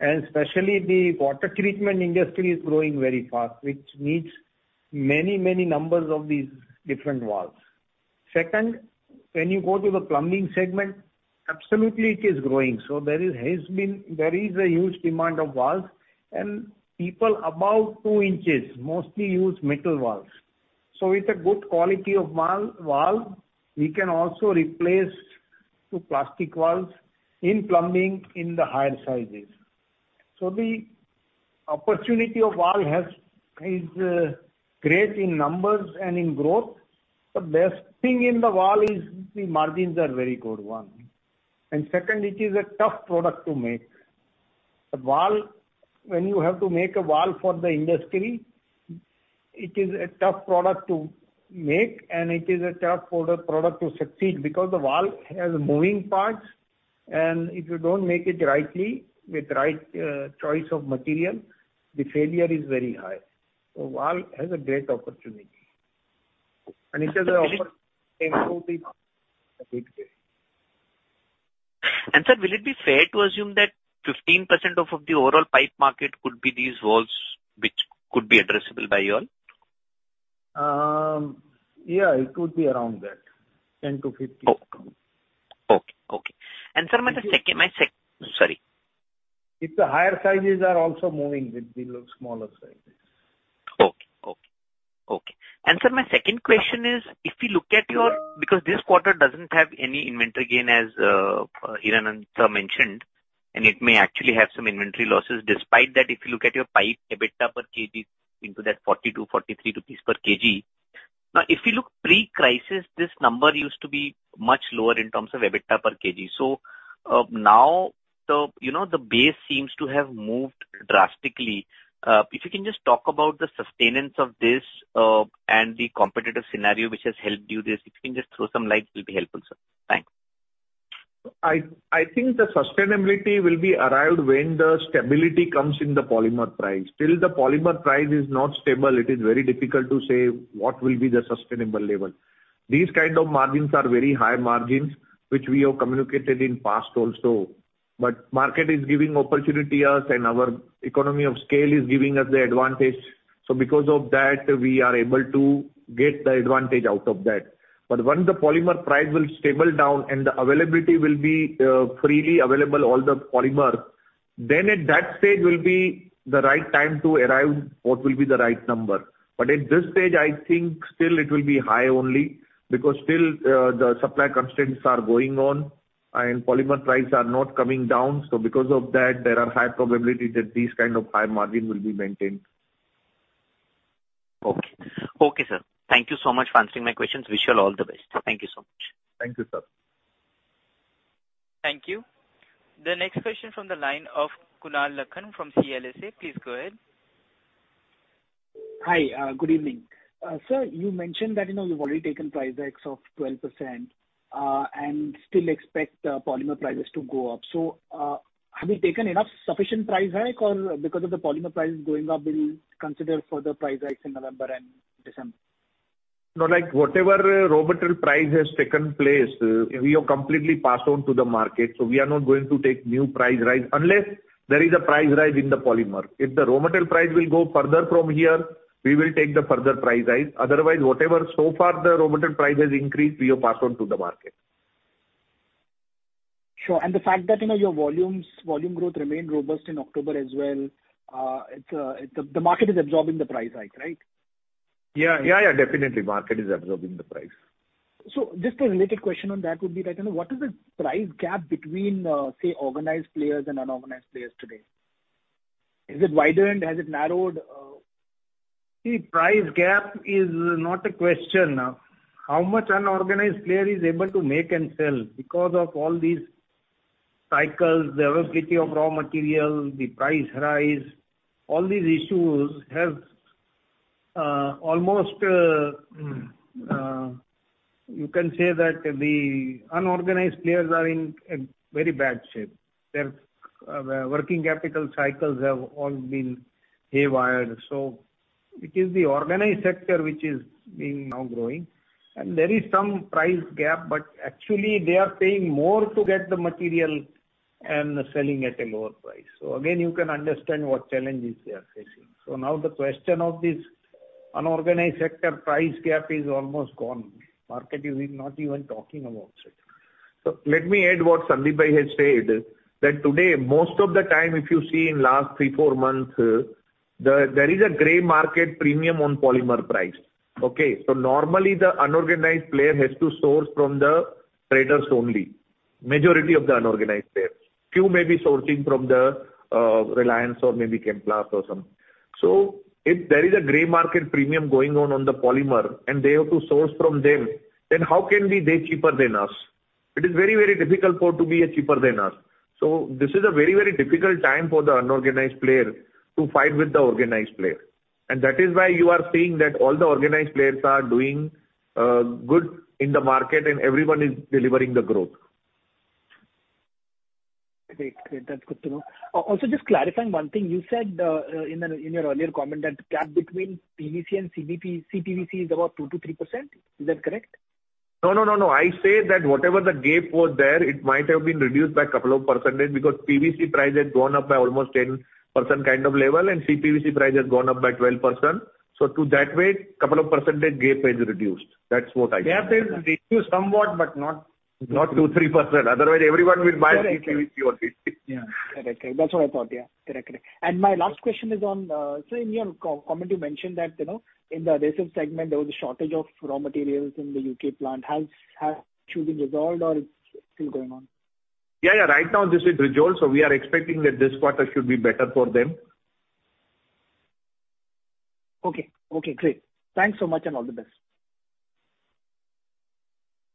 and especially the water treatment industry is growing very fast, which needs many, many numbers of these different valves. Second, when you go to the plumbing segment, absolutely it is growing. There is a huge demand for valves and people above two inches mostly use metal valves. With a good quality of valve, we can also replace to plastic valves in plumbing in the higher sizes. The opportunity of valve is great in numbers and in growth. The best thing in the valve is the margins are very good. One. Second, it is a tough product to make. A valve, when you have to make a valve for the industry, it is a tough product to make and it is a tough product to succeed because the valve has moving parts and if you don't make it rightly with right choice of material, the failure is very high. Valve has a great opportunity, and it has an. Sir, will it be fair to assume that 15% of the overall pipe market could be these valves which could be addressable by you all? Yeah, it could be around that. 10%-15%. Oh, okay. Okay. Sir, sorry. If the higher sizes are also moving with the smaller sizes. Okay. Sir, my second question is, if you look at your. Because this quarter doesn't have any inventory gain as Hiranand sir mentioned, and it may actually have some inventory losses. Despite that, if you look at your pipe EBITDA per kg in the 42-43 rupees per kg. Now, if you look pre-crisis, this number used to be much lower in terms of EBITDA per kg. Now the, you know, the base seems to have moved drastically. If you can just talk about the sustenance of this, and the competitive scenario which has helped you this. If you can just throw some light will be helpful, sir. Thanks. I think the sustainability will be arrived when the stability comes in the polymer price. Till the polymer price is not stable, it is very difficult to say what will be the sustainable level. These kind of margins are very high margins, which we have communicated in past also. Market is giving opportunity us and our economy of scale is giving us the advantage. Because of that we are able to get the advantage out of that. Once the polymer price will stable down and the availability will be freely available, all the polymer, then at that stage will be the right time to arrive what will be the right number. At this stage, I think still it will be high only because still the supply constraints are going on and polymer prices are not coming down. Because of that there are high probability that these kind of high margin will be maintained. Okay. Okay, sir. Thank you so much for answering my questions. Wish you all the best. Thank you so much. Thank you, sir. Thank you. The next question from the line of Kunal Lakhan from CLSA. Please go ahead. Hi. Good evening. Sir, you mentioned that, you know, you've already taken price hikes of 12%, and still expect polymer prices to go up. Have you taken enough sufficient price hike or because of the polymer prices going up, will you consider further price hikes in November and December? No, like whatever raw material price has taken place, we have completely passed on to the market. We are not going to take new price rise unless there is a price rise in the polymer. If the raw material price will go further from here, we will take the further price rise. Otherwise, whatever so far the raw material price has increased, we have passed on to the market. Sure. The fact that, you know, your volumes, volume growth remained robust in October as well. The market is absorbing the price hike, right? Yeah, definitely the market is absorbing the price. Just a related question on that would be that, you know, what is the price gap between, say organized players and unorganized players today? Is it wider and has it narrowed? The price gap is not a question. How much unorganized player is able to make and sell because of all these cycles, the availability of raw material, the price rise, all these issues has almost, you can say that the unorganized players are in a very bad shape. Their working capital cycles have all been haywire. It is the organized sector which is being now growing and there is some price gap, but actually they are paying more to get the material. Selling at a lower price. Again, you can understand what challenges they are facing. Now the question of this unorganized sector price gap is almost gone. Market is not even talking about it. Let me add what Sandeep bhai has said, that today, most of the time, if you see in last three to four months, there is a gray market premium on polymer price. Okay. Normally, the unorganized player has to source from the traders only. Majority of the unorganized players. Few may be sourcing from the Reliance or maybe Chemplast or something. If there is a gray market premium going on the polymer and they have to source from them, then how can be they cheaper than us? It is very, very difficult for to be cheaper than us. This is a very, very difficult time for the unorganized player to fight with the organized player. That is why you are seeing that all the organized players are doing good in the market and everyone is delivering the growth. Great. That's good to know. Also, just clarifying one thing. You said in your earlier comment that gap between PVC and CPVC is about 2%-3%. Is that correct? No, no, no. I said that whatever the gap was there, it might have been reduced by a couple of percentage because PVC price has gone up by almost 10% kind of level, and CPVC price has gone up by 12%. To that way, couple of percentage gap has reduced. That's what I said. Gap has reduced somewhat, but not. Not 2%, 3%. Otherwise everyone will buy CPVC or PVC. Yeah. Correct. That's what I thought. Yeah. Correct. My last question is on... So in your comment, you mentioned that, you know, in the adhesive segment, there was a shortage of raw materials in the UK plant. Has the issue been resolved or it's still going on? Yeah, yeah. Right now, this is resolved. We are expecting that this quarter should be better for them. Okay. Okay, great. Thanks so much, and all the best.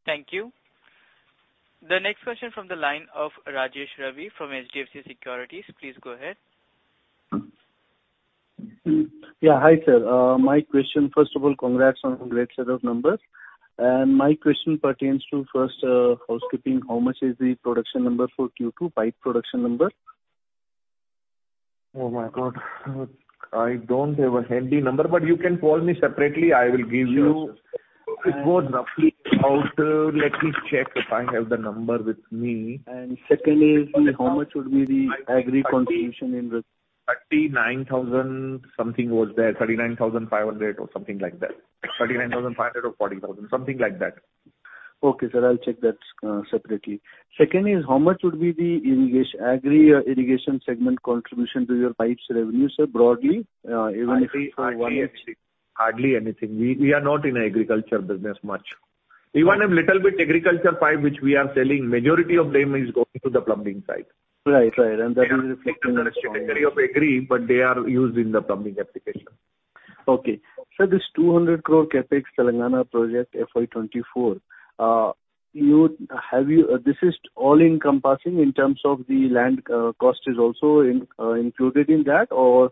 Thank you. The next question from the line of Rajesh Ravi from HDFC Securities. Please go ahead. Yeah. Hi, sir. First of all, congrats on great set of numbers. My question pertains to first, housekeeping. How much is the production number for Q2, pipe production number? Oh, my God. I don't have a handy number, but you can call me separately. I will give you. Sure, sure. It goes roughly out. Let me check if I have the number with me. Secondly, how much would be the agricultural contribution in the. 39,000 metric tons something was there. 39,500 metric tons or something like that. 39,500 metric tons or 40,000 metric tons, something like that. Okay, sir. I'll check that separately. Second is, how much would be the irrigation, agricultural irrigation segment contribution to your pipes revenue, sir, broadly, even if it's for one year? Hardly anything. We are not in agriculture business much. Even a little bit agriculture pipe which we are selling, majority of them is going to the plumbing side. Right. That is reflecting in the. They are under the category of agriculture, but they are used in the plumbing application. Okay. Sir, this 200 crore CapEx Telangana project FY 2024, this is all encompassing in terms of the land cost is also included in that? Or,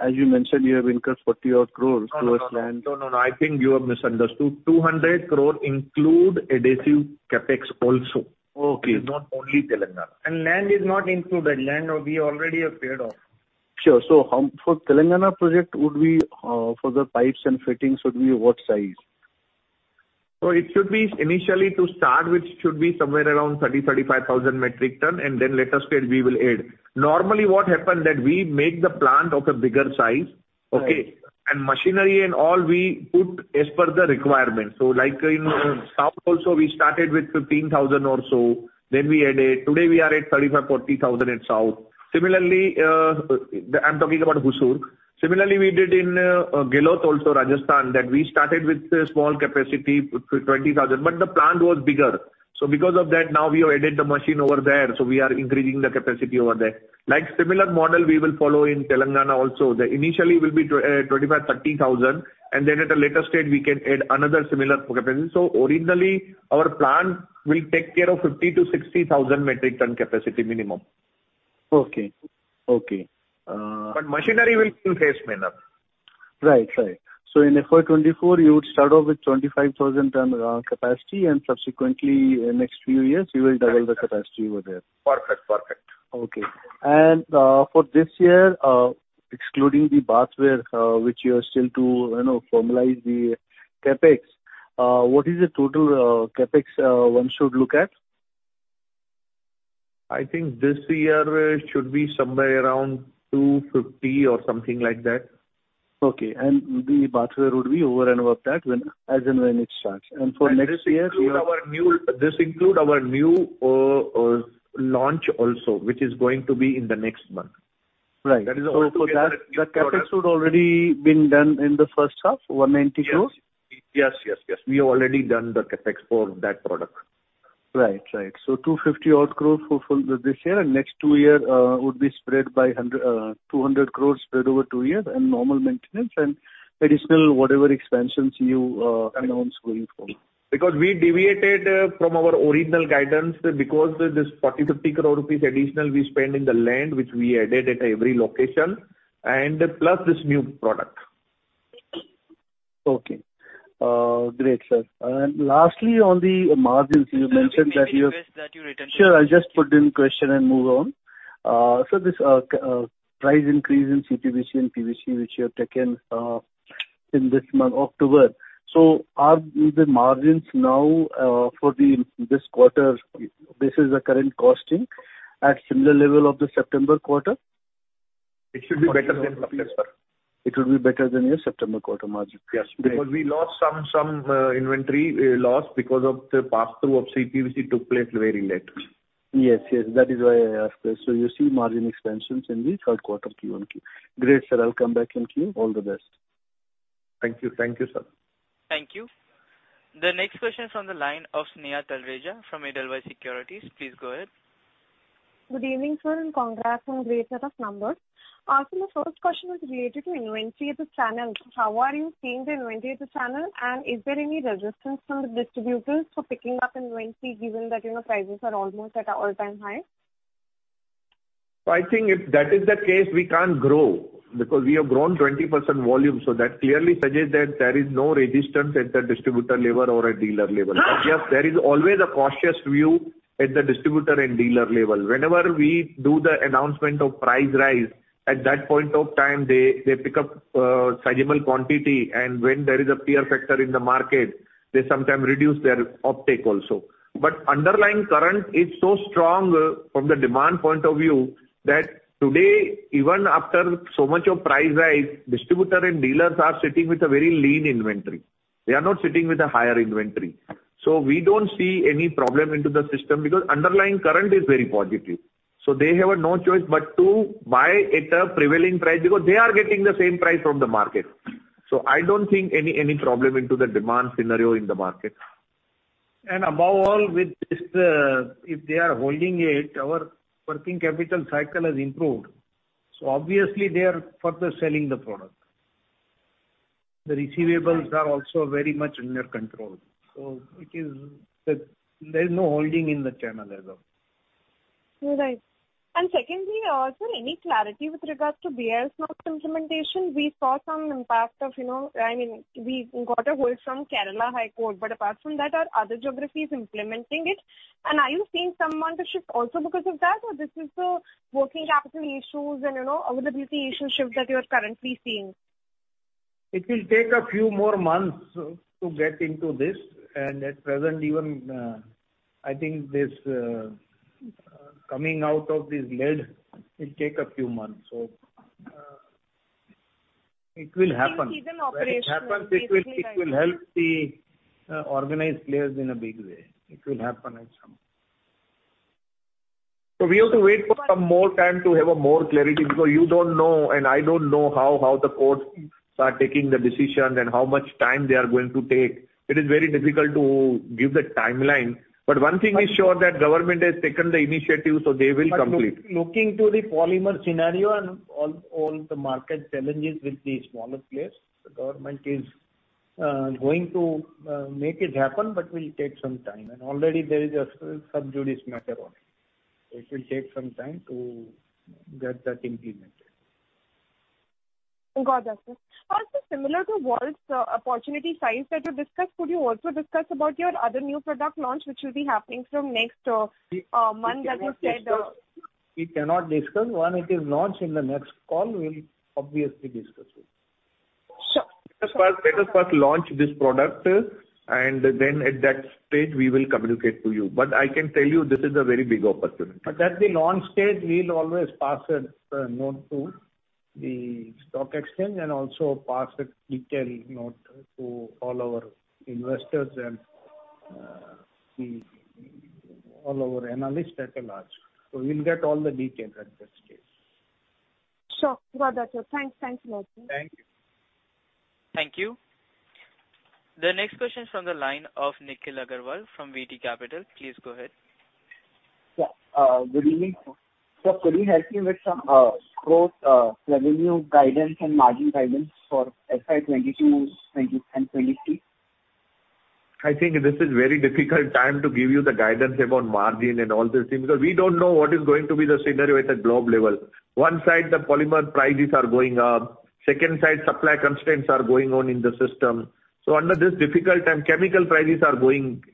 as you mentioned, you have incurred 40-odd crores towards land. No, no. I think you have misunderstood. 200 crore include adhesive CapEx also. Okay. It is not only Telangana. Land is not included. Land, we already have paid off. Sure. How for Telangana project would be for the pipes and fittings would be what size? It should be initially to start, which should be somewhere around 30,000-35,000 metric tons, and then later stage we will add. Normally, what happen that we make the plant of a bigger size. Right. Machinery and all we put as per the requirement. Like in South also, we started with 15,000 metric tons or so. Then we added. Today, we are at 35,000-40,000 metric tons in South. Similarly, I'm talking about Hosur. Similarly, we did in Ghiloth also, Rajasthan, that we started with a small capacity, 20,000 metric tons. But the plant was bigger. Because of that, now we have added the machine over there. We are increasing the capacity over there. Like, similar model we will follow in Telangana also. Initially it will be 25,000-30,000 metric tons, and then at a later stage we can add another similar capacity. Originally, our plant will take care of 50,000-60,000 metric tons capacity minimum. Okay. Machinery will be phased manner. Right. In FY 2024, you would start off with 25,000 metric tons capacity and subsequently in next few years you will double the capacity over there. Perfect. Okay. For this year, excluding the Bathware, which you are still to, you know, formalize the CapEx, what is the total CapEx one should look at? I think this year it should be somewhere around 250 or something like that. Okay. The Bathware would be over and above that when, as in when it starts. For next year. This include our new launch also, which is going to be in the next month. Right. For that. That is altogether a different product. The CapEx would already been done in the first half, 190 crore? Yes. We have already done the CapEx for that product. Right. 250-odd crore for the full this year and next two years would be spread over 100 crore-200 crore spread over two years and normal maintenance and additional whatever expansions you announce going forward. Because we deviated from our original guidance because this 40 crore-50 crore rupees additional we spend in the land which we added at every location, and plus this new product. Okay. Great, sir. Lastly, on the margins, you mentioned that you're. Excuse me. Can I request that you return to? Sure. I'll just put in question and move on. This price increase in CPVC and PVC which you have taken, In this month, October. Are the margins now for the this quarter, this is the current costing at similar level of the September quarter? It should be better than September. It will be better than your September quarter margin. Yes. Because we lost some inventory loss because of the pass-through of CPVC took place very late. Yes. Yes. That is why I asked this. You see margin expansions in the third quarter QoQ. Great, sir. I'll come back in queue. All the best. Thank you. Thank you, sir. Thank you. The next question from the line of Sneha Talreja from Edelweiss Securities. Please go ahead. Good evening, sir, and congrats on great set of numbers. My first question was related to inventory at the channel. How are you seeing the inventory at the channel and is there any resistance from the distributors for picking up inventory given that, you know, prices are almost at an all-time high? I think if that is the case, we can't grow because we have grown 20% volume. That clearly suggests that there is no resistance at the distributor level or at dealer level. Yes, there is always a cautious view at the distributor and dealer level. Whenever we do the announcement of price rise, at that point of time, they pick up sizable quantity, and when there is a fear factor in the market, they sometimes reduce their uptake also. Underlying current is so strong from the demand point of view that today, even after so much of price rise, distributor and dealers are sitting with a very lean inventory. They are not sitting with a higher inventory. So we don't see any problem into the system because underlying current is very positive. They have no choice but to buy at a prevailing price because they are getting the same price from the market. I don't think any problem into the demand scenario in the market. Above all, with this, if they are holding it, our working capital cycle has improved. Obviously they are further selling the product. The receivables are also very much under control. It is, there's no holding in the channel as of. Right. Secondly, sir, any clarity with regards to BIS's implementation? We saw some impact of, you know, I mean, we got a hold from Kerala High Court. Apart from that, are other geographies implementing it? Are you seeing some market shift also because of that, or this is the working capital issues and, you know, availability issue shift that you are currently seeing? It will take a few more months to get into this. At present, even I think this coming out of this lag will take a few months. It will happen. I think even operational. When it happens, it will help the organized players in a big way. It will happen at some point. We have to wait for some more time to have a more clarity because you don't know and I don't know how the courts are taking the decisions and how much time they are going to take. It is very difficult to give the timeline. One thing is sure that government has taken the initiative, so they will complete. Look, looking to the polymer scenario and all, the market challenges with the smaller players, the government is going to make it happen, but will take some time. Already there is a sub judice matter on it. It will take some time to get that implemented. Got that, sir. Also, similar to valves, opportunity size that you discussed, could you also discuss about your other new product launch which will be happening from next month that you said? We cannot discuss. When it is launched in the next call, we'll obviously discuss it. Sure. Let us first launch this product and then at that stage we will communicate to you. I can tell you this is a very big opportunity. At the launch stage, we'll always pass a note to the stock exchange and also pass a detailed note to all our investors and all our analysts at large. We'll get all the details at that stage. Sure. Got that, sir. Thanks. Thanks a lot, sir. Thank you. Thank you. The next question is from the line of Nikhil Agrawal from VT Capital. Please go ahead. Yeah, good evening. Sir, could you help me with some scope, revenue guidance and margin guidance for FY 2022 and FY 2023? I think this is a very difficult time to give you the guidance about margin and all these things, because we don't know what is going to be the scenario at the global level. One side, the polymer prices are going up. Second side, supply constraints are going on in the system. Under this difficult time, chemical prices are going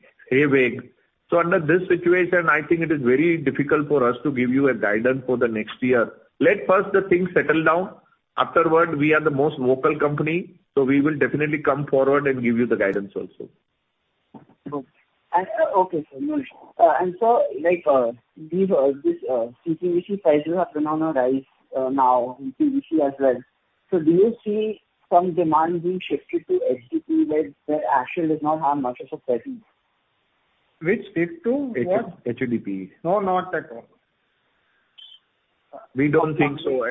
haywire. Under this situation, I think it is very difficult for us to give you a guidance for the next year. Let the things settle down first. Afterward, we are the most vocal company, so we will definitely come forward and give you the guidance also. Sir, like, these CPVC prices have been on a rise, now in PVC as well. Do you see some demand being shifted to HDPE where Astral does not have much of a presence? Which shift to what? HDPE. No, not at all. We don't think so.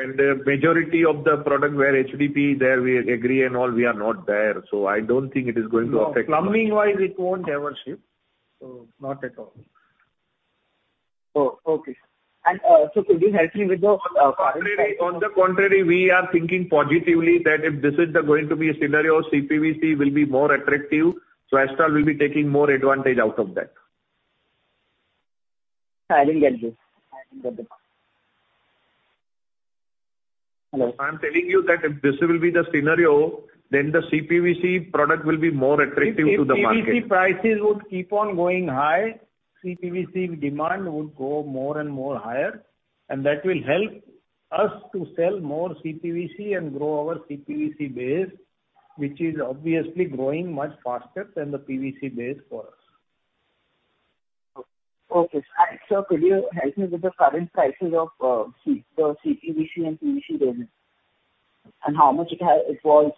Majority of the product where HDPE, there we agree and all, we are not there. I don't think it is going to affect us. No. Plumbing wise, it won't ever shift. Not at all. Oh, okay. So could you help me with the product. On the contrary, we are thinking positively that if this is going to be a scenario, CPVC will be more attractive. Astral will be taking more advantage out of that. I didn't get you. I didn't get the point. Hello. I'm telling you that if this will be the scenario, then the CPVC product will be more attractive to the market. If PVC prices would keep on going high, CPVC demand would go more and more higher. That will help us to sell more CPVC and grow our CPVC base, which is obviously growing much faster than the PVC base for us. Okay. Sir, could you help me with the current prices of the CPVC and PVC resin? How much it was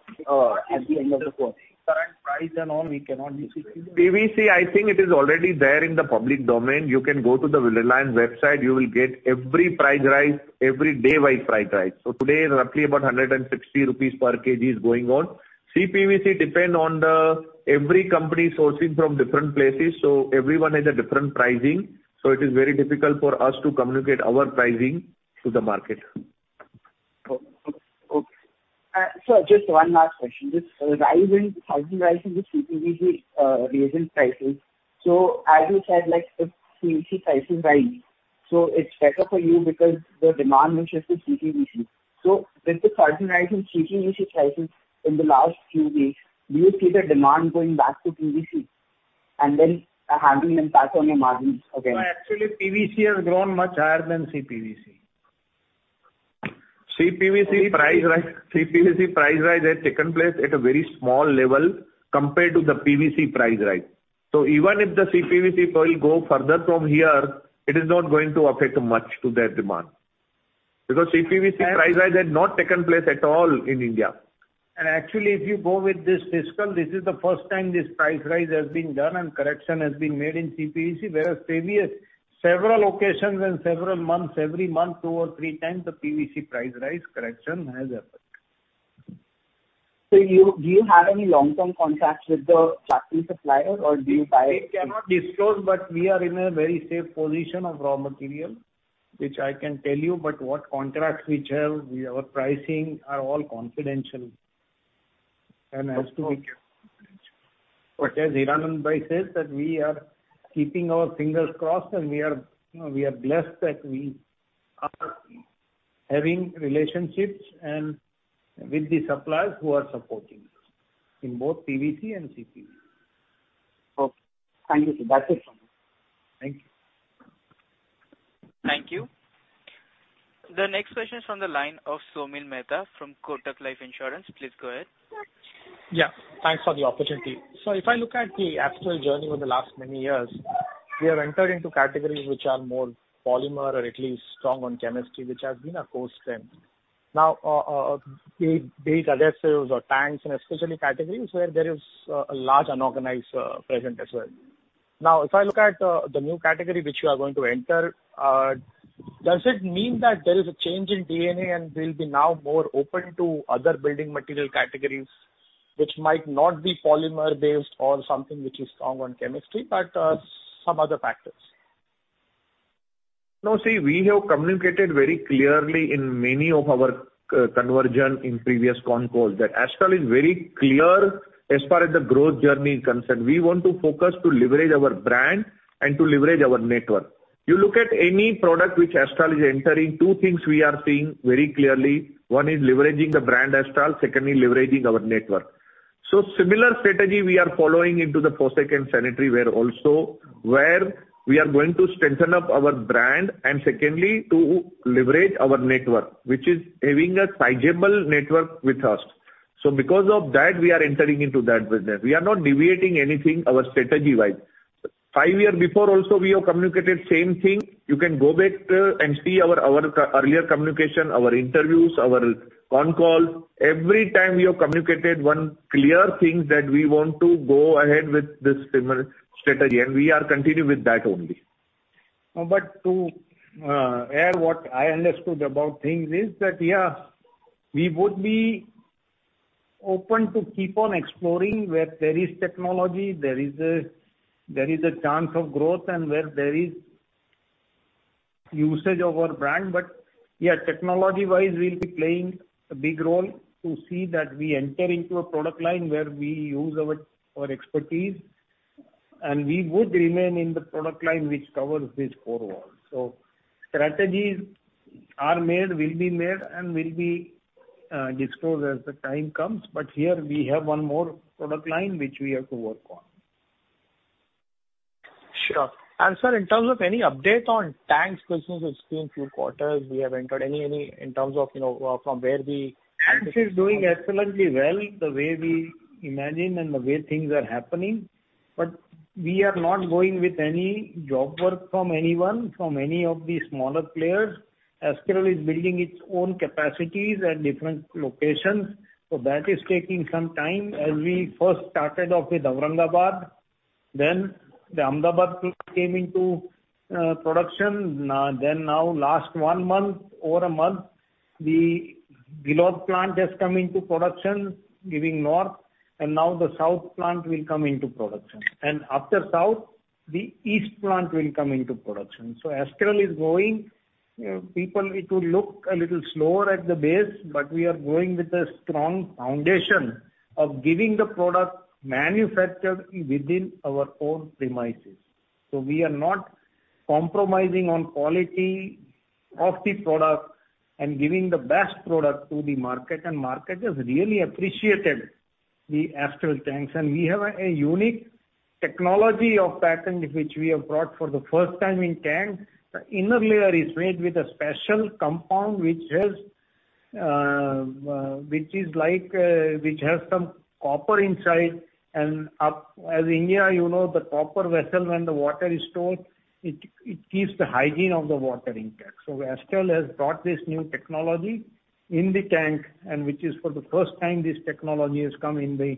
at the end of the quarter? The current price and all, we cannot disclose. PVC, I think it is already there in the public domain. You can go to the Polymerupdate website. You will get every price rise, every daily price rise. Today, roughly about 160 rupees per kg is going on. CPVC depend on the every company sourcing from different places, so everyone has a different pricing. It is very difficult for us to communicate our pricing to the market. Okay. Sir, just one last question. This sudden rise in the CPVC resin prices. As you said, like, if PVC prices rise, so it's better for you because the demand will shift to CPVC. With the sudden rise in CPVC prices in the last few weeks, do you see the demand going back to PVC and then having an impact on your margins again? No, actually, PVC has grown much higher than CPVC. CPVC price rise has taken place at a very small level compared to the PVC price rise. Even if the CPVC price go further from here, it is not going to affect much to their demand. Because CPVC price rise has not taken place at all in India. Actually, if you go with this fiscal, this is the first time this price rise has been done and correction has been made in CPVC. Whereas previous, several occasions and several months, every month, two or three times, the PVC price rise correction has happened. Do you have any long-term contracts with the factory supplier, or do you buy? We cannot disclose, but we are in a very safe position of raw material, which I can tell you. What contracts we have, we, our pricing are all confidential and has to be kept confidential. Okay. As Hiranand bhai says that we are keeping our fingers crossed and we are blessed that we are having relationships with the suppliers who are supporting us in both PVC and CPVC. Okay. Thank you, sir. That's it from me. Thank you. Thank you. The next question is from the line of Saumil Mehta from Kotak Life Insurance. Please go ahead. Yeah, thanks for the opportunity. If I look at the Astral journey over the last many years, we have entered into categories which are more polymer or at least strong on chemistry, which has been our core strength. Be it adhesives or tanks, and especially categories where there is a large unorganized presence as well. If I look at the new category which you are going to enter, does it mean that there is a change in DNA and will be now more open to other building material categories which might not be polymer-based or something which is strong on chemistry, but some other factors? No, see, we have communicated very clearly in many of our con calls in previous con calls that Astral is very clear as far as the growth journey is concerned. We want to focus to leverage our brand and to leverage our network. You look at any product which Astral is entering, two things we are seeing very clearly. One is leveraging the brand Astral, secondly, leveraging our network. Similar strategy we are following into the faucets and sanitaryware also, where we are going to strengthen up our brand and secondly, to leverage our network, which is having a sizable network with us. Because of that, we are entering into that business. We are not deviating anything our strategy-wise. Five years before also, we have communicated same thing. You can go back and see our earlier communication, our interviews, our con call. Every time we have communicated one clear thing that we want to go ahead with this similar strategy, and we are continuing with that only. To add what I understood about things is that, yeah, we would be open to keep on exploring where there is technology, there is a chance of growth and where there is usage of our brand. Yeah, technology-wise, we'll be playing a big role to see that we enter into a product line where we use our expertise, and we would remain in the product line which covers these four walls. Strategies are made, will be made, and will be disclosed as the time comes. Here we have one more product line which we have to work on. Sure. Sir, in terms of any update on tanks business it's been few quarters we have entered. Any in terms of, you know, from where the. Tanks is doing excellently well, the way we imagine and the way things are happening. We are not going with any job work from anyone, from any of the smaller players. Astral is building its own capacities at different locations. That is taking some time. As we first started off with Aurangabad, then the Ahmedabad came into production. Now in the last one month, over a month, the Ghiloth plant has come into production, in the north, and now the south plant will come into production. After south, the east plant will come into production. Astral is growing. People, it will look a little slower at the pace, but we are growing with a strong foundation of having the product manufactured within our own premises. We are not compromising on quality of the product and giving the best product to the market, and market has really appreciated the Astral tanks. We have a unique technology of patent which we have brought for the first time in the tank. The inner layer is made with a special compound, which has some copper inside. As in India you know the copper vessel when the water is stored, it keeps the hygiene of the water intact. Astral has brought this new technology in the tank, which is for the first time this technology has come in the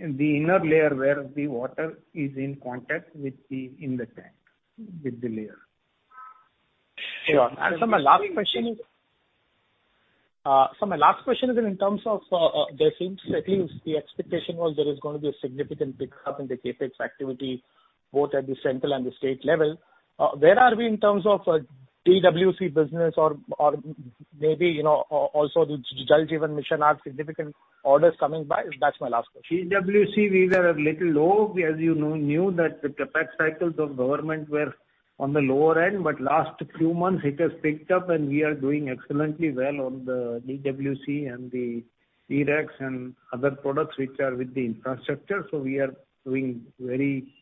inner layer where the water is in contact with the layer in the tank. Sure. Sir, my last question is in terms of, there seems at least the expectation was there is going to be a significant pickup in the CapEx activity both at the central and the state level. Where are we in terms of, DWC business or, maybe, you know, also the Jal Jeevan Mission have significant orders coming by? That's my last question. DWC, we were a little low. As you knew that the CapEx cycles of government were on the lower end, but last few months it has picked up and we are doing excellently well on the DWC and the D-Rex and other products which are with the infrastructure. We are doing very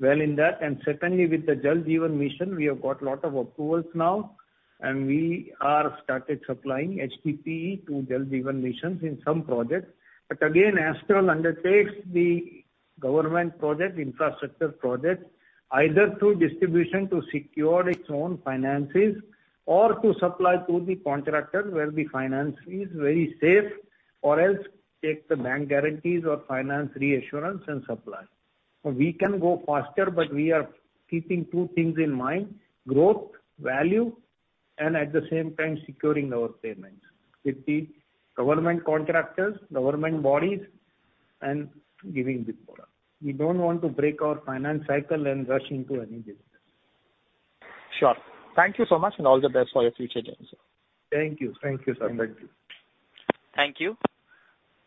well in that. Secondly, with the Jal Jeevan Mission, we have got lot of approvals now, and we are started supplying HDPE to Jal Jeevan Missions in some projects. Again, Astral undertakes the government project, infrastructure projects, either through distribution to secure its own finances or to supply to the contractor where the finance is very safe, or else take the bank guarantees or finance reassurance and supply. We can go faster, but we are keeping two things in mind, growth, value, and at the same time securing our payments with the government contractors, government bodies and giving the product. We don't want to break our finance cycle and rush into any business. Sure. Thank you so much and all the best for your future journey, sir. Thank you. Thank you, sir. Thank you. Thank you.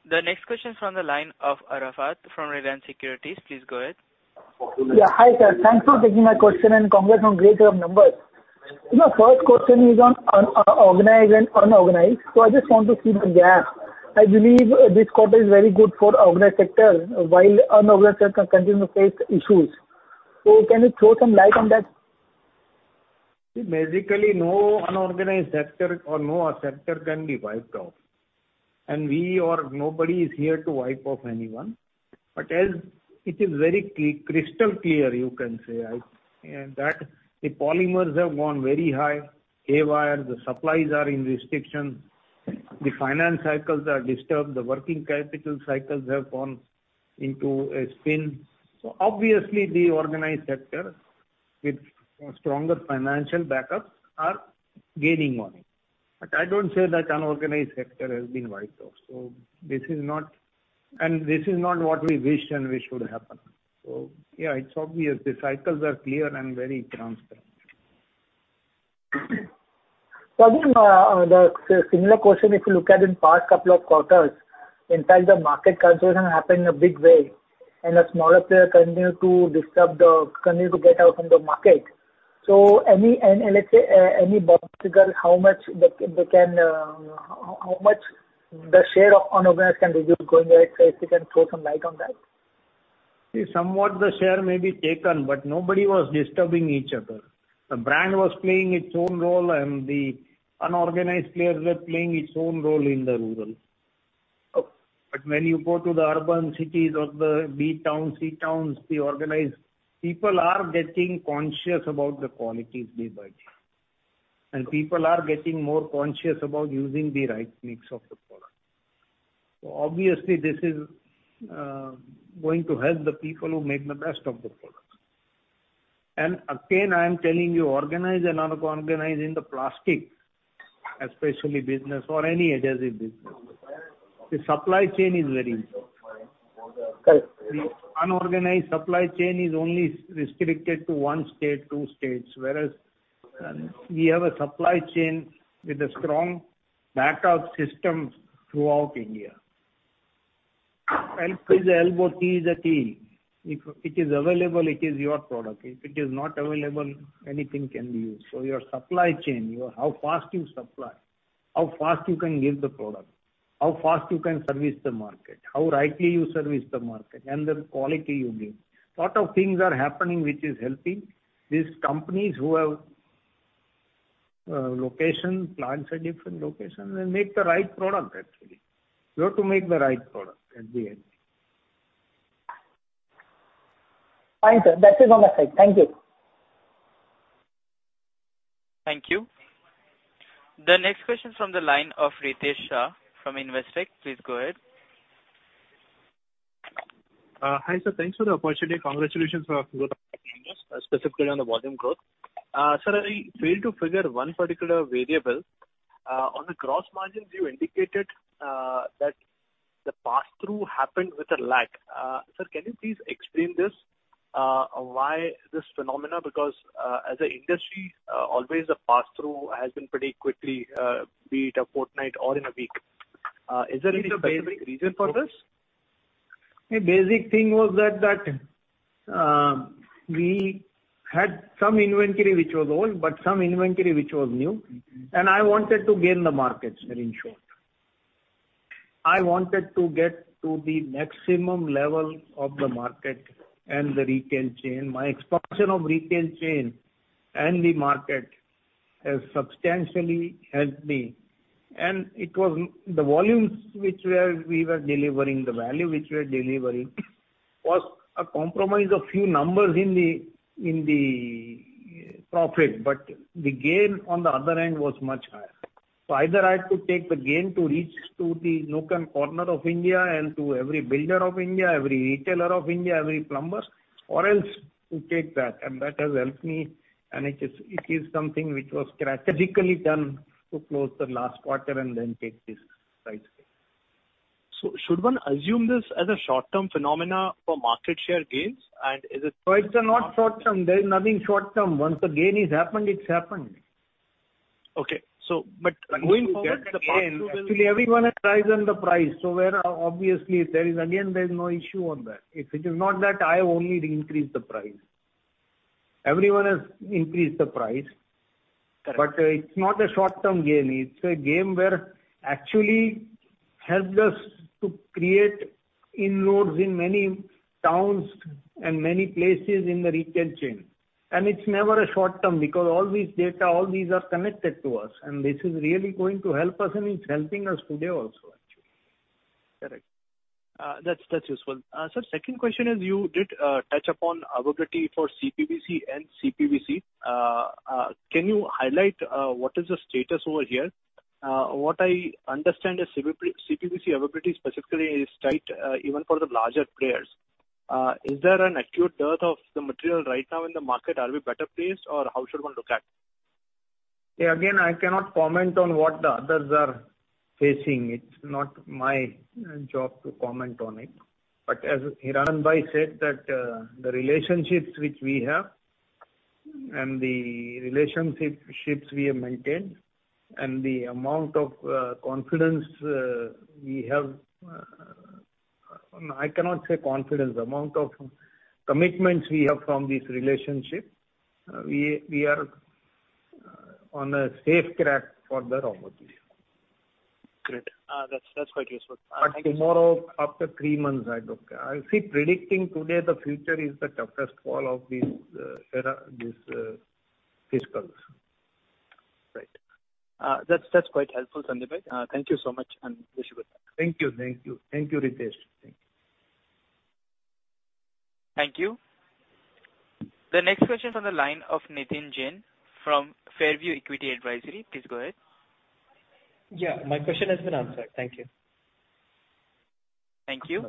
The next question is from the line of Arafat Saiyed from Reliance Securities. Please go ahead. Yeah. Hi, sir. Thanks for taking my question, and congrats on great set of numbers. My first question is on organized and unorganized. I just want to see the gap. I believe this quarter is very good for organized sector while unorganized sector continue to face issues. Can you throw some light on that? See, basically no unorganized sector or no sector can be wiped off. We or nobody is here to wipe off anyone. As it is very crystal clear, you can say, I, that the polymers have gone very high. K-wire, the supplies are in restriction. The finance cycles are disturbed. The working capital cycles have gone into a spin. Obviously the organized sector with stronger financial backups are gaining on it. I don't say that unorganized sector has been wiped off. This is not what we wished and we should happen. Yeah, it's obvious. The cycles are clear and very transparent. Again, the similar question, if you look at in past couple of quarters, in fact the market consolidation happened in a big way and the smaller player continue to get out from the market. Any, and let's say, any sure. The unorganized supply chain is only restricted to one state, two states. Whereas, we have a supply chain with a strong backup systems throughout India. Elbow is a elbow, T is a T. If it is available, it is your product. If it is not available, anything can be used. Your supply chain, your how fast you supply, how fast you can give the product, how fast you can service the market, how rightly you service the market and the quality you give. Lot of things are happening which is helping these companies who have locations, plants at different locations and make the right product actually. You have to make the right product at the end. Fine, sir. That's it on my side. Thank you. Thank you. The next question is from the line of Ritesh Shah from Investec. Please go ahead. Hi, sir. Thanks for the opportunity. Congratulations for growth of Astral Limited, specifically on the volume growth. Sir, I failed to figure one particular variable. On the gross margins you indicated, that the passthrough happened with a lag. Sir, can you please explain this, why this phenomenon? Because, as a industry, always the passthrough has been pretty quickly, be it a fortnight or in a week. Is there any specific reason for this? The basic thing was that we had some inventory which was old, but some inventory which was new. Mm-hmm. I wanted to gain the markets very soon. I wanted to get to the maximum level of the market and the retail chain. My expansion of retail chain and the market has substantially helped me. It was the volumes which we were delivering, the value which we were delivering was a compromise of few numbers in the, in the profit, but the gain on the other end was much higher. Either I had to take the gain to reach to the nook and corner of India and to every builder of India, every retailer of India, every plumber, or else to take that. That has helped me, and it is something which was strategically done to close the last quarter and then take this price scale. Should one assume this as a short-term phenomenon for market share gains? Is it. It's not short-term. There is nothing short-term. Once the gain has happened, it's happened. Going forward, the margin will. Actually everyone has raised the price. Where obviously there is again no issue on that. If it is not that I only increase the price. Everyone has increased the price. Correct. It's not a short-term gain. It's a gain where actually helped us to create inroads in many towns and many places in the retail chain. It's never a short-term because all these data, all these are connected to us, and this is really going to help us, and it's helping us today also actually. Correct. That's useful. Sir, second question is you did touch upon availability for CPVC. Can you highlight what is the status over here? What I understand is CPVC availability specifically is tight, even for the larger players. Is there an acute dearth of the material right now in the market? Are we better placed or how should one look at? Yeah, again, I cannot comment on what the others are facing. It's not my job to comment on it. As Hiranand bhai said that, the relationships which we have and the relationships we have maintained and the amount of commitments we have from this relationship, we are on a safe track for the raw material. Great. That's quite useful. Thank you. Tomorrow, after three months, I don't care. You see, predicting today the future is the toughest call of this era, this fiscals. Right. That's quite helpful, Sandeep bhai. Thank you so much and wish you good luck. Thank you, Ritesh. Thank you. The next question is on the line of Nitin Jain from Fairview Equity Advisory. Please go ahead. Yeah, my question has been answered. Thank you. Thank you.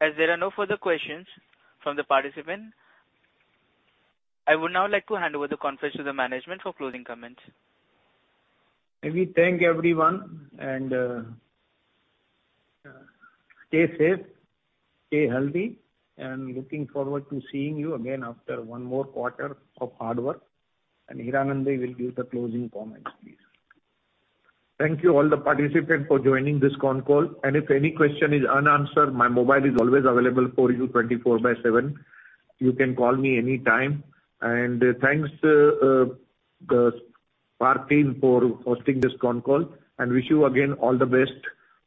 As there are no further questions from the participant, I would now like to hand over the conference to the management for closing comments. We thank everyone, and stay safe, stay healthy, and looking forward to seeing you again after one more quarter of hard work. Hiranand bhai will give the closing comments please. Thank you all the participants for joining this con call, and if any question is unanswered, my mobile is always available for you 24/7. You can call me any time. Thanks, the Spark team for hosting this con call. Wish you again all the best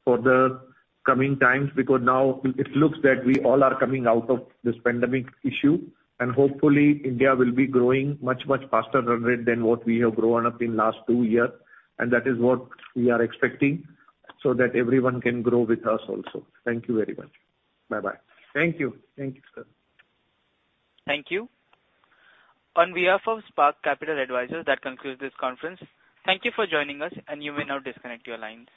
for the coming times because now it looks that we all are coming out of this pandemic issue and hopefully India will be growing much faster run rate than what we have grown up in last two year and that is what we are expecting so that everyone can grow with us also. Thank you very much. Bye-bye. Thank you. Thank you, sir. Thank you. On behalf of Spark Capital Advisors, that concludes this conference. Thank you for joining us, and you may now disconnect your lines.